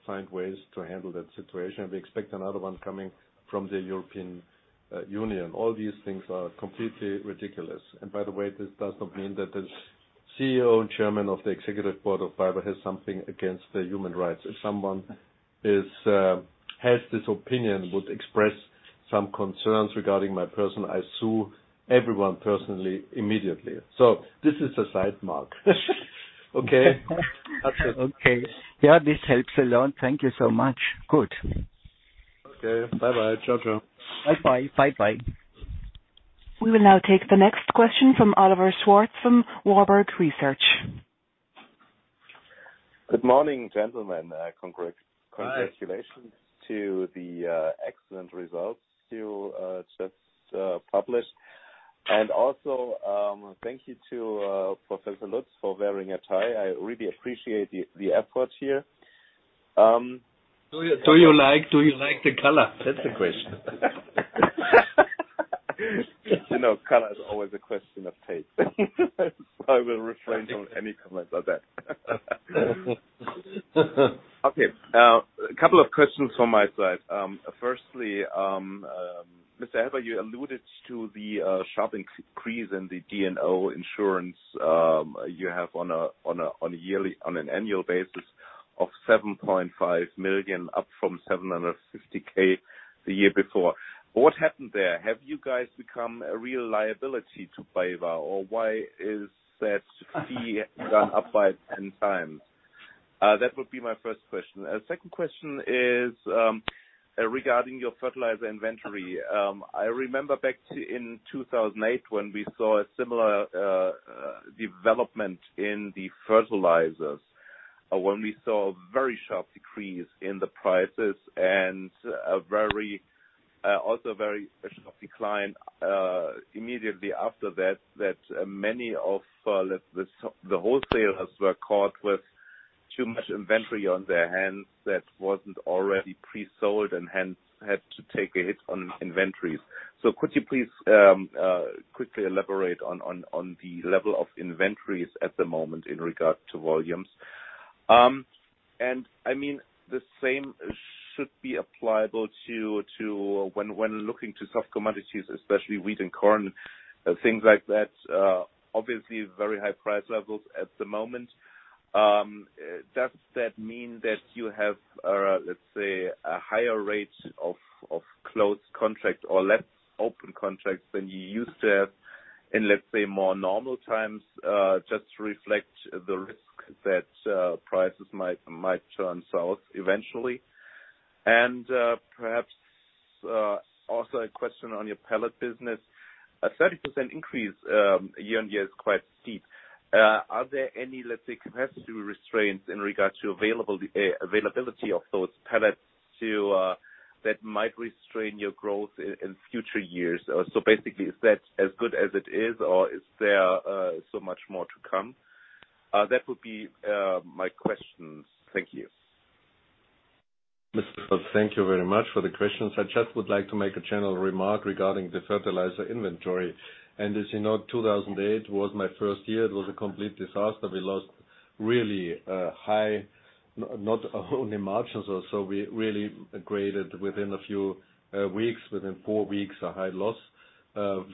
find ways to handle that situation. We expect another one coming from the European Union. All these things are completely ridiculous. By the way, this does not mean that the CEO and Chairman of the Executive Board of BayWa has something against the human rights. If someone has this opinion, would express some concerns regarding my person, I sue everyone personally, immediately. This is a side mark. Okay? That's it. Okay. Yeah, this helps a lot. Thank you so much. Good. Okay. Bye-bye. Ciao, ciao. Bye-bye. Bye-bye. We will now take the next question from Oliver Schwarz from Warburg Research. Good morning, gentlemen. Hi. Congratulations to the excellent results you just published. Thank you to Professor Lutz for wearing a tie. I really appreciate the effort here. Do you like the color? That's the question. You know, color is always a question of taste. I will refrain from any comments on that. Okay. A couple of questions from my side. Firstly, Mr. Helber, you alluded to the sharp increase in the D&O insurance you have on an annual basis of 7.5 million, up from 750,000 the year before. What happened there? Have you guys become a real liability to BayWa, or why is that fee gone up by 10x? That would be my first question. Second question is regarding your fertilizer inventory. I remember back to in 2008 when we saw a similar development in the fertilizers, when we saw a very sharp decrease in the prices and a very sharp decline immediately after that many of, let's say, the wholesalers were caught with too much inventory on their hands that wasn't already pre-sold and hence had to take a hit on inventories. Could you please quickly elaborate on the level of inventories at the moment in regard to volumes? I mean, the same should be applicable to when looking at soft commodities, especially wheat and corn, things like that, obviously very high price levels at the moment. Does that mean that you have, let's say, a higher rate of closed contracts or less open contracts than you used to have in, let's say, more normal times, just to reflect the risk that prices might turn south eventually? Perhaps also a question on your pellet business. A 30% increase year-on-year is quite steep. Are there any, let's say, capacity restraints in regards to availability of those pellets that might restrain your growth in future years? Basically, is that as good as it is or is there so much more to come? That would be my questions. Thank you. Mr. Schwarz, thank you very much for the questions. I just would like to make a general remark regarding the fertilizer inventory. As you know, 2008 was my first year. It was a complete disaster. We lost really high, not only margins or so, we really incurred within a few weeks, within four weeks, a high loss for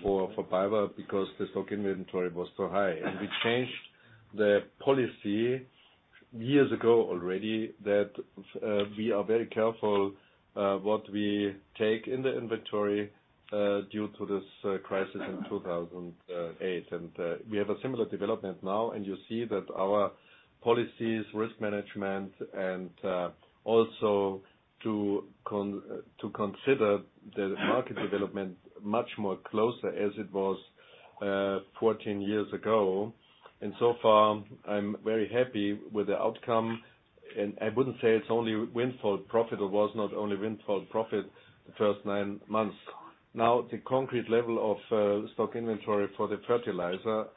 BayWa because the stock inventory was so high. We changed the policy years ago already that we are very careful what we take in the inventory due to this crisis in 2008. We have a similar development now, and you see that our policies, risk management, and also to consider the market development much more closer as it was 14 years ago. So far, I'm very happy with the outcome. I wouldn't say it's only windfall profit or was not only windfall profit the first nine months. Now, the concrete level of stock inventory for the fertilizer, is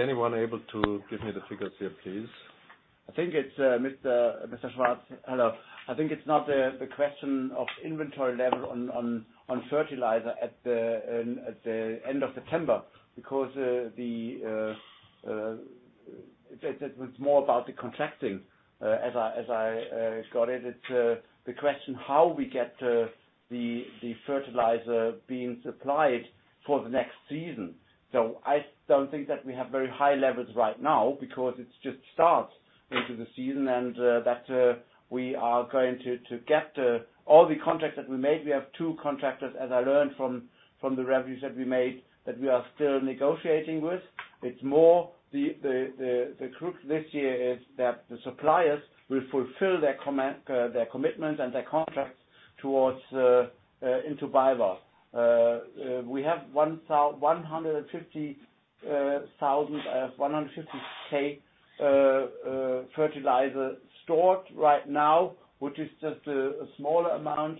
anyone able to give me the figures here, please? I think it's Mr. Schwarz. Hello. I think it's not the question of inventory level on fertilizer at the end of September, because it's more about the contracting, as I got it. It's the question how we get the fertilizer being supplied for the next season. I don't think that we have very high levels right now because it just starts into the season, and that we are going to get all the contracts that we made. We have two contractors, as I learned from the revenues that we made, that we are still negotiating with. It's more the crux this year is that the suppliers will fulfill their commitments and their contracts towards BayWa. We have 150,000 fertilizer stored right now, which is just a small amount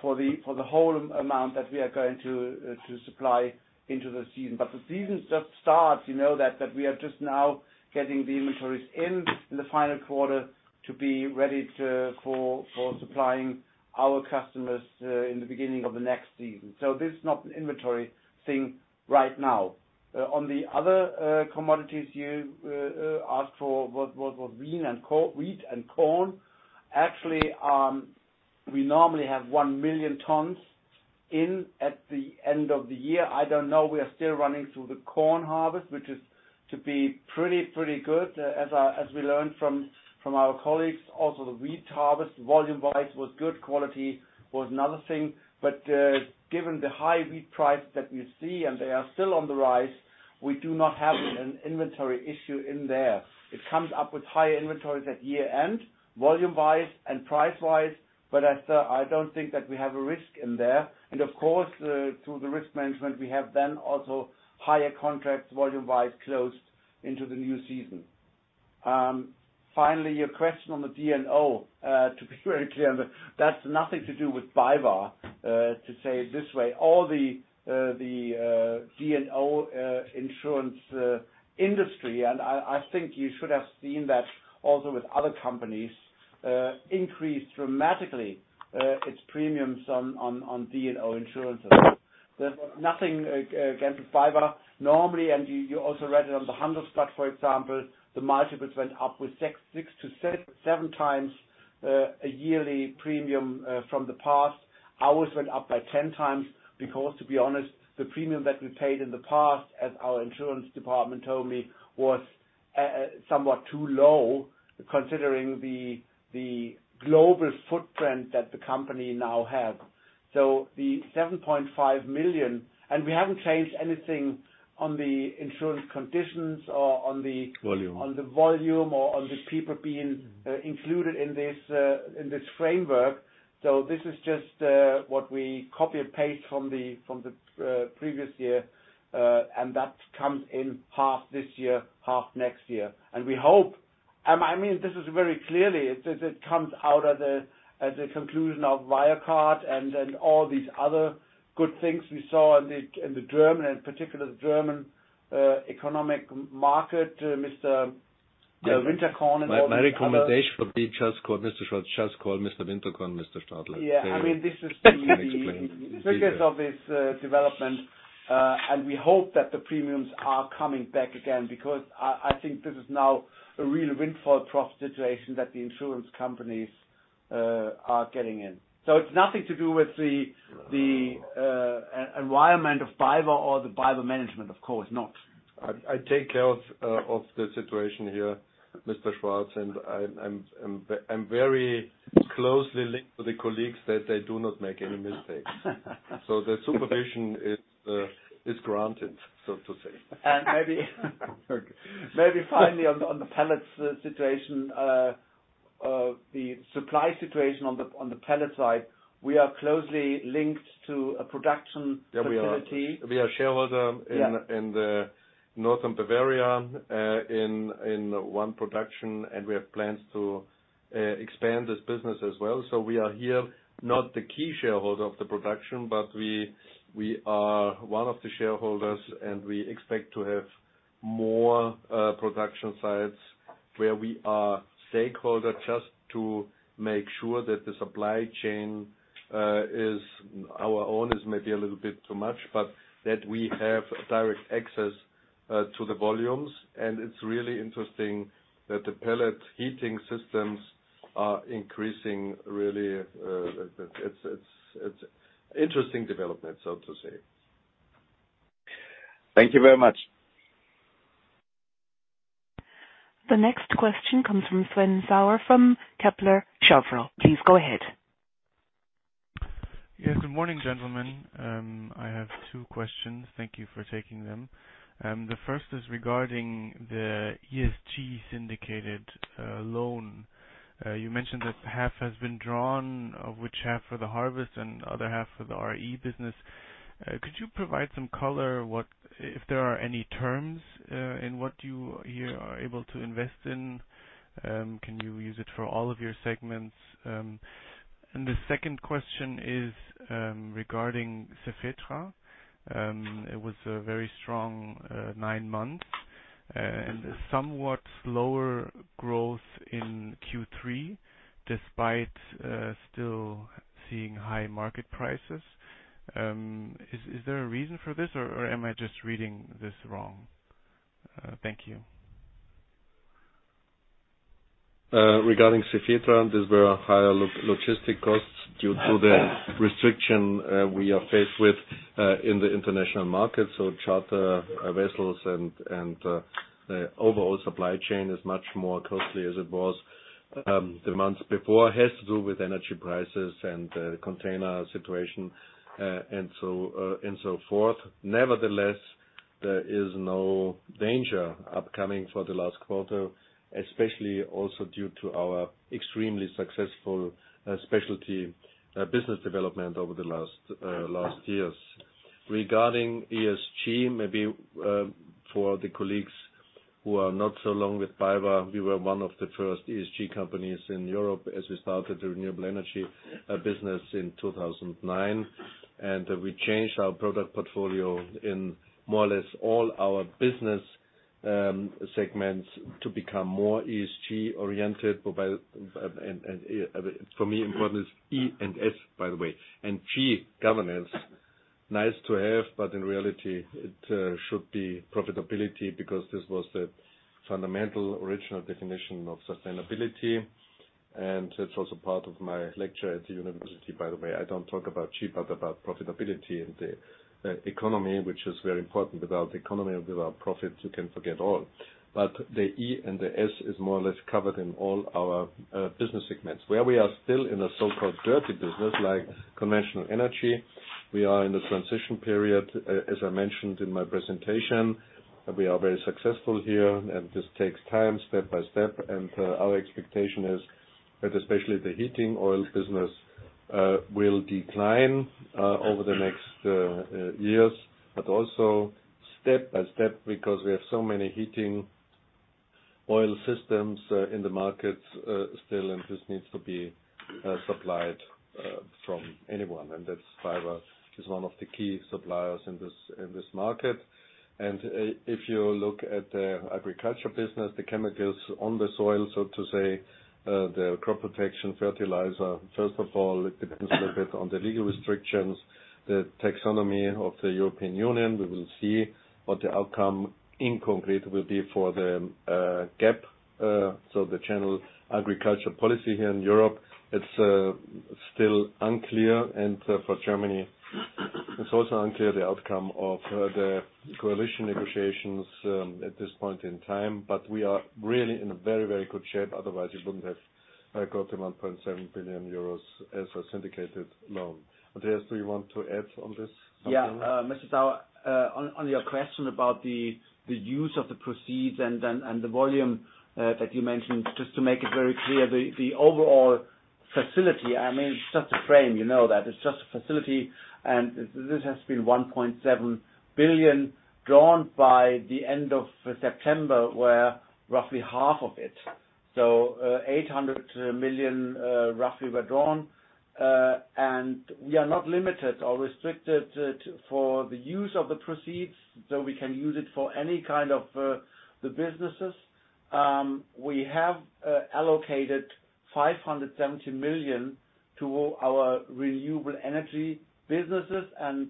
for the whole amount that we are going to supply into the season. The season just starts, you know that we are just now getting the inventories in the final quarter to be ready for supplying our customers in the beginning of the next season. This is not an inventory thing right now. On the other commodities you asked for was wheat and corn. Actually, we normally have 1 million tons in at the end of the year. I don't know, we are still running through the corn harvest, which is to be pretty good, as we learned from our colleagues. Also, the wheat harvest, volume-wise, was good, quality was another thing. Given the high wheat price that we see, and they are still on the rise, we do not have an inventory issue in there. It comes up with higher inventories at year-end, volume-wise and price-wise, but I don't think that we have a risk in there. Of course, through the risk management, we have then also higher contracts volume-wise closed into the new season. Finally, your question on the D&O. To be very clear, that's nothing to do with BayWa, to say it this way. All the D&O insurance industry, and I think you should have seen that also with other companies, increased dramatically its premiums on D&O insurances. There's nothing against BayWa. Normally, you also read it on the Handelsblatt, for example, the multiples went up with 6x to 7x yearly premium from the past. Ours went up by 10x because, to be honest, the premium that we paid in the past, as our insurance department told me, was somewhat too low considering the global footprint that the company now have. So the 7.5 million. We haven't changed anything on the insurance conditions or on the. Volume. On the volume or on the people being included in this framework. This is just what we copy and paste from the previous year, and that comes in half this year, half next year. We hope. I mean, this is very clearly, it comes out of that at the conclusion of Wirecard and then all these other good things we saw in the German, in particular the German economic market, Mr. Yeah. Winterkorn and all these others. My recommendation would be just call just call Mr. Francesco and Mr. Winterkorn, Mr. Stadler. Yeah. I mean, this is. He can explain it easier. Because of this development. We hope that the premiums are coming back again because I think this is now a real windfall profit situation that the insurance companies are getting in. It's nothing to do with the environment of BayWa or the BayWa management, of course not. I take care of the situation here, Mr. Schwarz, and I'm very closely linked with the colleagues that they do not make any mistakes. The supervision is granted, so to say. Maybe finally on the pellets situation. The supply situation on the pellet side, we are closely linked to a production facility. Yeah, we are shareholder. Yeah. In the northern Bavaria, in one production, and we have plans to expand this business as well. We are here not the key shareholder of the production, but we are one of the shareholders, and we expect to have more production sites where we are stakeholder just to make sure that the supply chain is our own, maybe a little bit too much, but that we have direct access to the volumes. It's really interesting that the pellet heating systems are increasing really. It's interesting development, so to say. Thank you very much. The next question comes from Sven Sauer from Kepler Cheuvreux. Please go ahead. Yes. Good morning, gentlemen. I have two questions. Thank you for taking them. The first is regarding the ESG syndicated loan. You mentioned that half has been drawn, of which half for the harvest and other half for the RE business. Could you provide some color what if there are any terms in what you're able to invest in? Can you use it for all of your segments? The second question is regarding Cefetra. It was a very strong nine months and somewhat slower growth in Q3 despite still seeing high market prices. Is there a reason for this, or am I just reading this wrong? Thank you. Regarding Cefetra, these were higher logistics costs due to the restriction we are faced with in the international market. Charter vessels and the overall supply chain is much more costly as it was the months before. It has to do with energy prices and container situation and so forth. Nevertheless, there is no danger upcoming for the last quarter, especially also due to our extremely successful specialty business development over the last years. Regarding ESG, maybe for the colleagues who are not so long with BayWa, we were one of the first ESG companies in Europe as we started the renewable energy business in 2009. We changed our product portfolio in more or less all our business segments to become more ESG oriented, and for me important is E and S, by the way. G, governance, nice to have, but in reality it should be profitability because this was the fundamental original definition of sustainability. That's also part of my lecture at the university, by the way. I don't talk about cheap, but about profitability and the economy, which is very important. Without economy and without profits, you can forget all. The E and the S is more or less covered in all our business segments. Where we are still in a so-called dirty business, like conventional energy, we are in a transition period, as I mentioned in my presentation. We are very successful here, and this takes time, step by step. Our expectation is that especially the heating oil business will decline over the next years. But also step by step because we have so many heating oil systems in the markets still, and this needs to be supplied from anyone. That's BayWa is one of the key suppliers in this market. If you look at the agriculture business, the chemicals on the soil, so to say, the crop protection fertilizer. First of all, it depends a little bit on the legal restrictions, the taxonomy of the European Union. We will see what the outcome in concrete will be for the CAP, so the Common Agricultural Policy here in Europe. It's still unclear. For Germany, it's also unclear the outcome of the coalition negotiations at this point in time. We are really in a very, very good shape, otherwise we wouldn't have got the 1.7 billion euros as a syndicated loan. Andreas, do you want to add on this something? Mr. Sauer, on your question about the use of the proceeds and the volume that you mentioned. Just to make it very clear, the overall facility, I mean, it's just a frame, you know that. It's just a facility. This has been 1.7 billion drawn by the end of September, where roughly half of it, 800 million roughly, were drawn. We are not limited or restricted for the use of the proceeds, so we can use it for any kind of the businesses. We have allocated 570 million to our renewable energy businesses and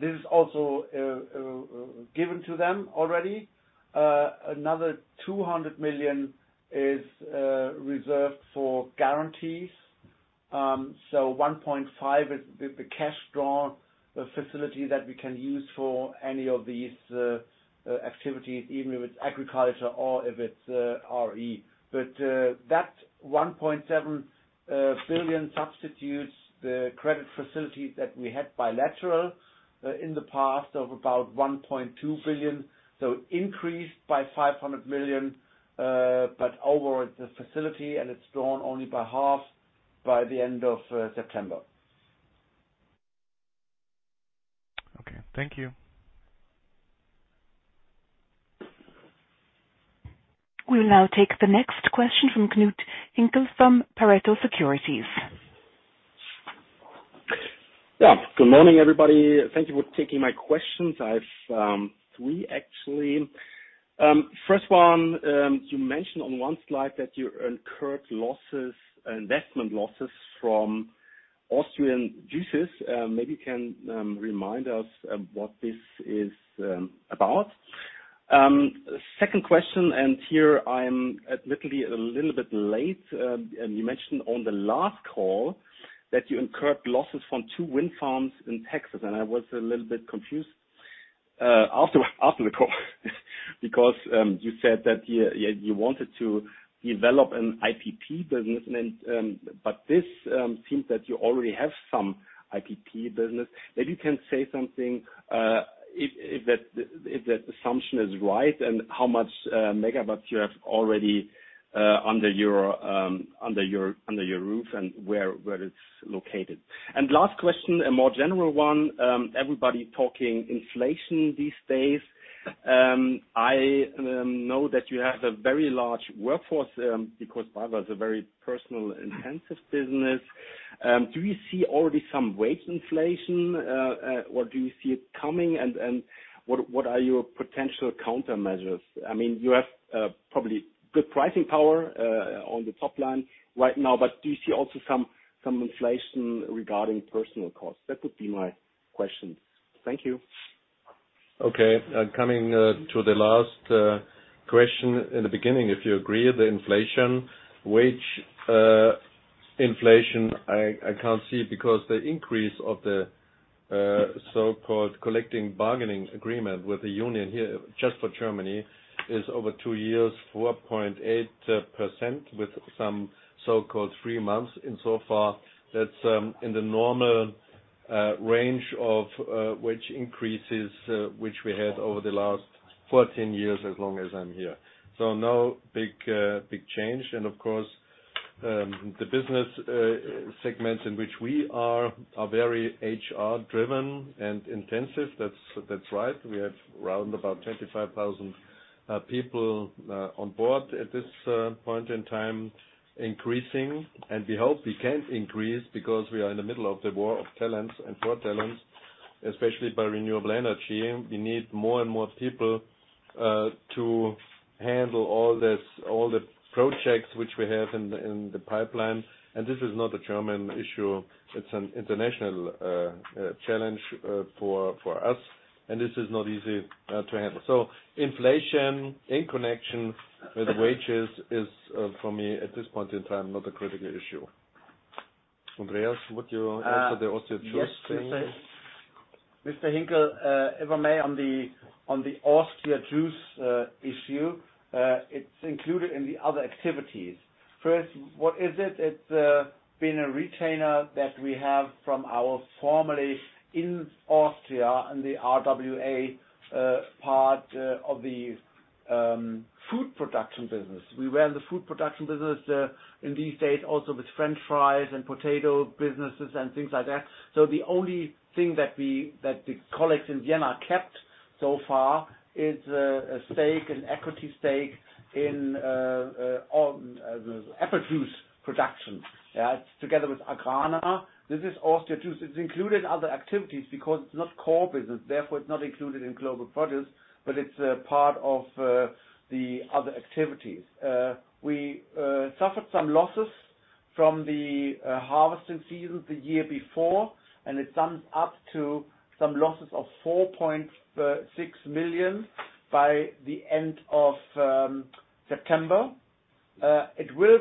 this is also given to them already. Another 200 million is reserved for guarantees. 1.5 billion is the cash draw facility that we can use for any of these activities, even if it's agriculture or if it's RE. That 1.7 billion substitutes the credit facility that we had bilateral in the past of about 1.2 billion, so increased by 500 million, but over the facility, and it's drawn only by half by the end of September. Okay. Thank you. We'll now take the next question from Knud Hinkel from Pareto Securities. Yeah. Good morning, everybody. Thank you for taking my questions. I have three, actually. First one, you mentioned on one slide that you incurred losses, investment losses from Austrian juices. Maybe you can remind us what this is about. Second question, here I'm admittedly a little bit late. You mentioned on the last call that you incurred losses from two wind farms in Texas, and I was a little bit confused after the call because you said that you wanted to develop an IPP business but this seems that you already have some IPP business. Maybe you can say something if that assumption is right and how much megawatts you have already under your roof and where it's located. Last question, a more general one. Everybody talking inflation these days. I know that you have a very large workforce, because BayWa is a very personnel-intensive business. Do you see already some wage inflation, or do you see it coming? What are your potential countermeasures? I mean, you have probably good pricing power on the top line right now, but do you see also some inflation regarding personnel costs? That would be my questions. Thank you. Coming to the last question. In the beginning, if you agree, the inflation, wage inflation, I can't see because the increase of the so-called collective bargaining agreement with the union here just for Germany is over two years, 4.8% with some so-called three months. Insofar that's in the normal range of wage increases which we had over the last 14 years, as long as I'm here. No big change. Of course, the business segments in which we are are very HR-driven and intensive. That's right. We have around about 25,000 people on board at this point in time, increasing. We hope we can increase because we are in the middle of the war for talents, especially in renewable energy. We need more and more people to handle all this, all the projects which we have in the pipeline. This is not a German issue, it's an international challenge for us. This is not easy to handle. Inflation in connection with wages is, for me, at this point in time, not a critical issue. Andreas, would you answer the Austria Juice thing? Yes. Mr. Hinkel, if I may, on the Austria Juice issue, it's included in the other activities. First, what is it? It's been a remainder that we have from our formerly in Austria and the RWA part of the food production business. We were in the food production business in these days also with French fries and potato businesses and things like that. The only thing that the colleagues in Vienna kept so far is a stake, an equity stake in apple juice production. It's together with Agrana. This is Austria Juice. It's included in the other activities because it's not core business, therefore, it's not included in Global Produce, but it's a part of the other activities. We suffered some losses from the harvesting season the year before, and it sums up to some losses of 4.6 million by the end of September. It will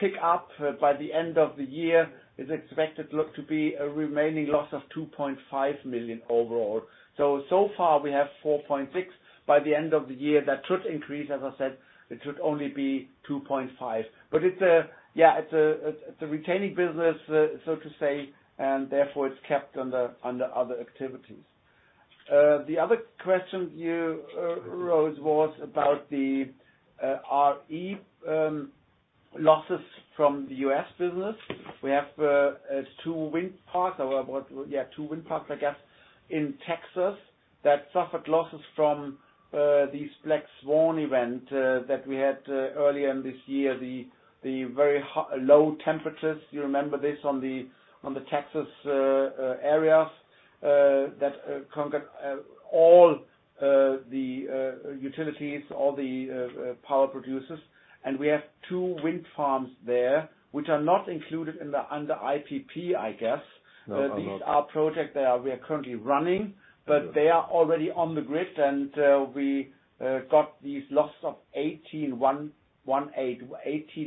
pick up by the end of the year. It's expected to be a remaining loss of 2.5 million overall. So far we have 4.6 million. By the end of the year, that should increase. As I said, it should only be 2.5 million. But it's a retailing business, so to say, and therefore, it's kept under other activities. The other question you raised was about the RE losses from the U.S. business. We have two wind parks. Two wind farms, I guess, in Texas that suffered losses from this black swan event that we had earlier in this year. The very low temperatures. You remember this in the Texas areas that knocked out all the utilities, all the power producers. We have two wind farms there, which are not included under IPP, I guess. No, I'm not. These are project that we are currently running. Yes. They are already on the grid, and we got these losses of 18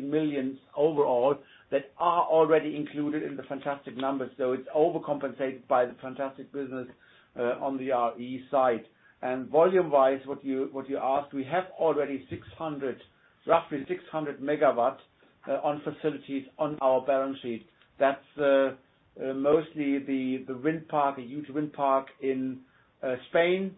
million overall that are already included in the fantastic numbers. It's overcompensated by the fantastic business on the RE side. Volume-wise, what you asked, we have already roughly 600 MW on facilities on our balance sheet. That's mostly the wind park, a huge wind park in Spain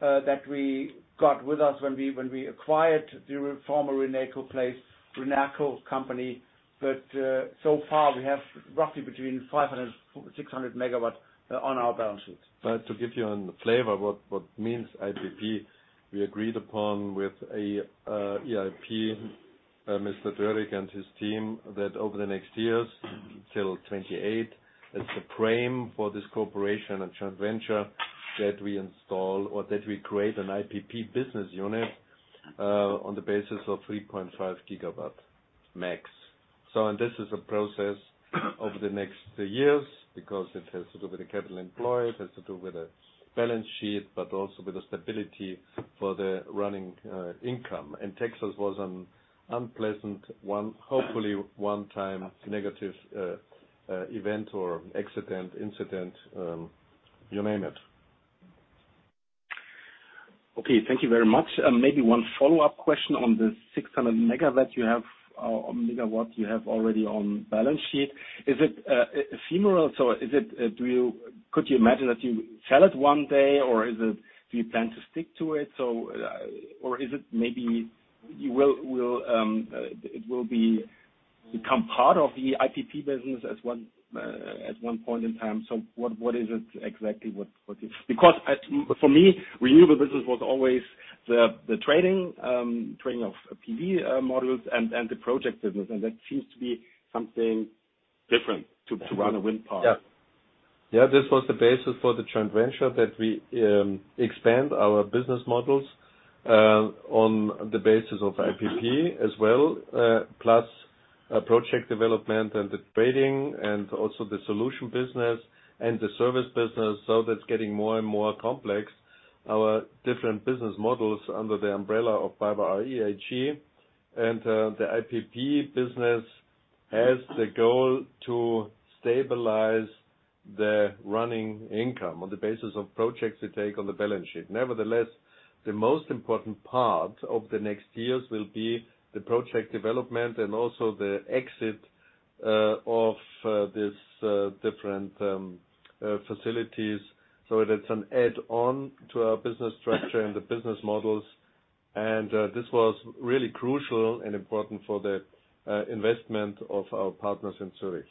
that we got with us when we acquired the former Renaco place, Renaco company. So far, we have roughly between 500 MW-600 MW on our balance sheets. To give you a flavor what means IPP, we agreed upon with EIP, Mr. Dürreck and his team, that over the next years, till 2028, it's a frame for this cooperation and joint venture that we install or that we create an IPP business unit on the basis of 3.5 GW max. This is a process over the next years because it has to do with the capital employed, it has to do with the balance sheet, but also with the stability for the running income. Texas was an unpleasant one, hopefully one-time negative event or accident, incident, you name it. Thank you very much. Maybe one follow-up question on the 600 MW you have already on balance sheet. Is it ephemeral? Is it, could you imagine that you sell it one day, or is it, do you plan to stick to it? Or is it maybe it will become part of the IPP business at one point in time. What is it exactly? What is it? Because for me, renewable business was always the trading of PV modules and the project business. And that seems to be something different to run a wind park. This was the basis for the joint venture that we expand our business models on the basis of IPP as well plus project development and the trading and also the solution business and the service business. That's getting more and more complex, our different business models under the umbrella of BayWa r.e. AG. The IPP business has the goal to stabilize the running income on the basis of projects we take on the balance sheet. Nevertheless, the most important part of the next years will be the project development and also the exit of this different facilities. It is an add-on to our business structure and the business models, and this was really crucial and important for the investment of our partners in Zurich.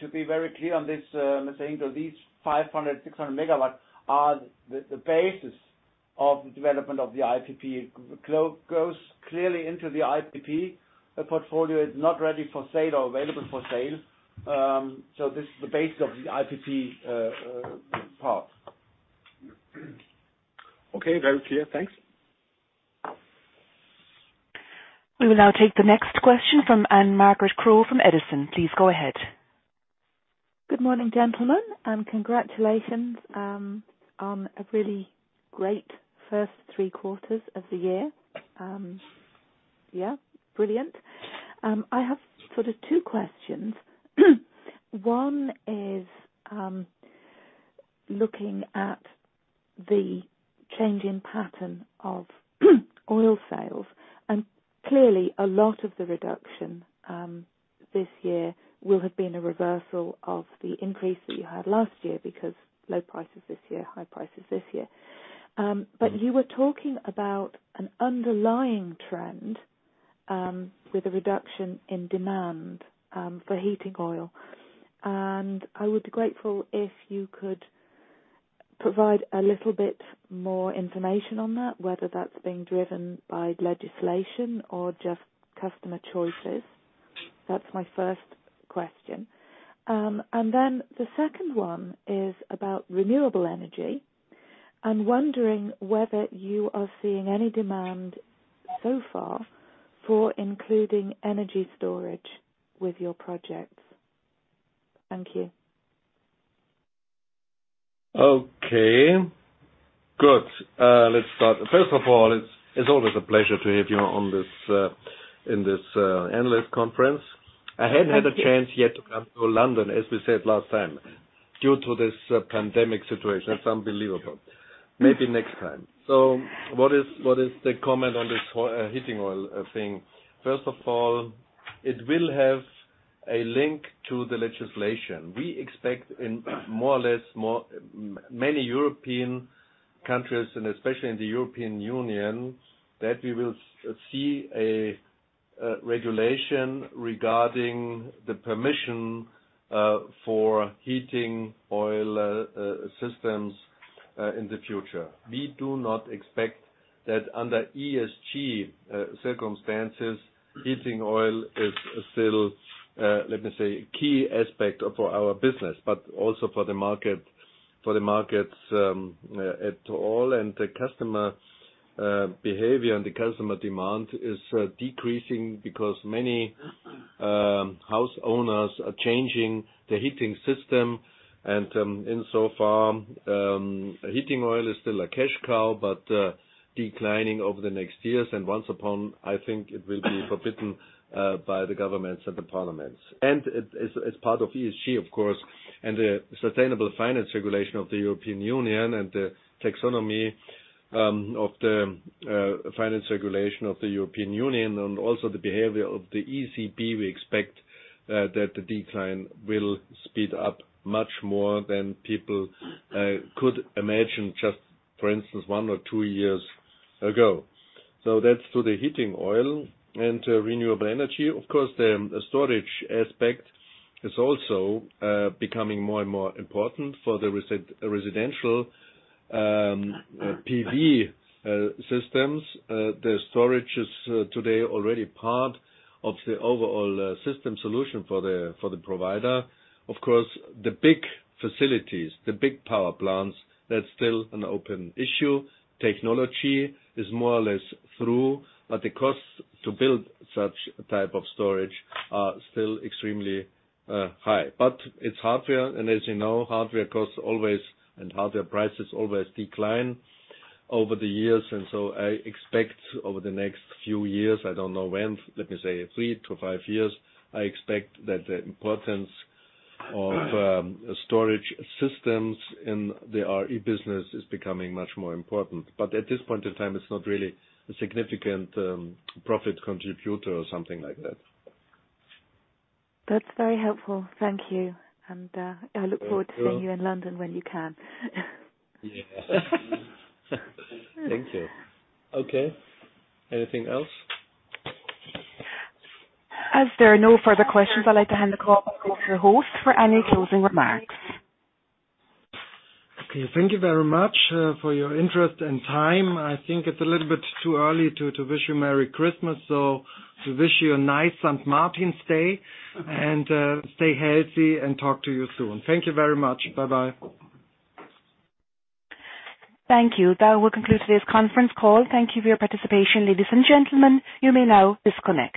To be very clear on this, Mr. Hinkel, these 500 MW-600 MW are the basis of the development of the IPP. It goes clearly into the IPP. The portfolio is not ready for sale or available for sale. This is the base of the IPP part. Okay. Very clear. Thanks. We will now take the next question from Anne Margaret Crow from Edison. Please go ahead. Good morning, gentlemen, and congratulations on a really great first three quarters of the year. Yeah, brilliant. I have sort of two questions. One is looking at the change in pattern of oil sales. Clearly a lot of the reduction this year will have been a reversal of the increase that you had last year because low prices this year, high prices this year. You were talking about an underlying trend with a reduction in demand for heating oil. I would be grateful if you could provide a little bit more information on that, whether that's being driven by legislation or just customer choices. That's my first question. The second one is about renewable energy. I'm wondering whether you are seeing any demand so far for including energy storage with your projects. Thank you. Okay, good. Let's start. First of all, it's always a pleasure to have you in this analyst conference. Thank you. I hadn't had a chance yet to come to London, as we said last time, due to this pandemic situation. It's unbelievable. Maybe next time. What is the comment on this heating oil thing? First of all, it will have a link to the legislation. We expect in more or less many European countries, and especially in the European Union, that we will see a regulation regarding the permission for heating oil systems in the future. We do not expect that under ESG circumstances, heating oil is still, let me say, a key aspect of our business, but also for the market at all. The customer behavior and the customer demand is decreasing because many house owners are changing the heating system. In so far, heating oil is still a cash cow, but declining over the next years. Once upon, I think it will be forbidden by the governments and the parliaments. As part of ESG, of course, and the sustainable finance regulation of the European Union and the taxonomy of the finance regulation of the European Union and also the behavior of the ECB, we expect that the decline will speed up much more than people could imagine, just for instance, one or two years ago. That's to the heating oil and renewable energy. Of course, the storage aspect is also becoming more and more important for the residential PV systems. The storage is today already part of the overall system solution for the provider. Of course, the big facilities, the big power plants, that's still an open issue. Technology is more or less through, but the costs to build such type of storage are still extremely high. It's hardware and as you know, hardware costs always and hardware prices always decline over the years. I expect over the next few years, I don't know when, let me say three to five years, I expect that the importance of storage systems in the RE business is becoming much more important. At this point in time, it's not really a significant profit contributor or something like that. That's very helpful. Thank you. I look forward to seeing you in London when you can. Yeah. Thank you. Okay. Anything else? As there are no further questions, I'd like to hand the call back over to your host for any closing remarks. Okay. Thank you very much for your interest and time. I think it's a little bit too early to wish you Merry Christmas. We wish you a nice St. Martin's Day and stay healthy and talk to you soon. Thank you very much. Bye-bye. Thank you. That will conclude today's conference call. Thank you for your participation, ladies and gentlemen. You may now disconnect.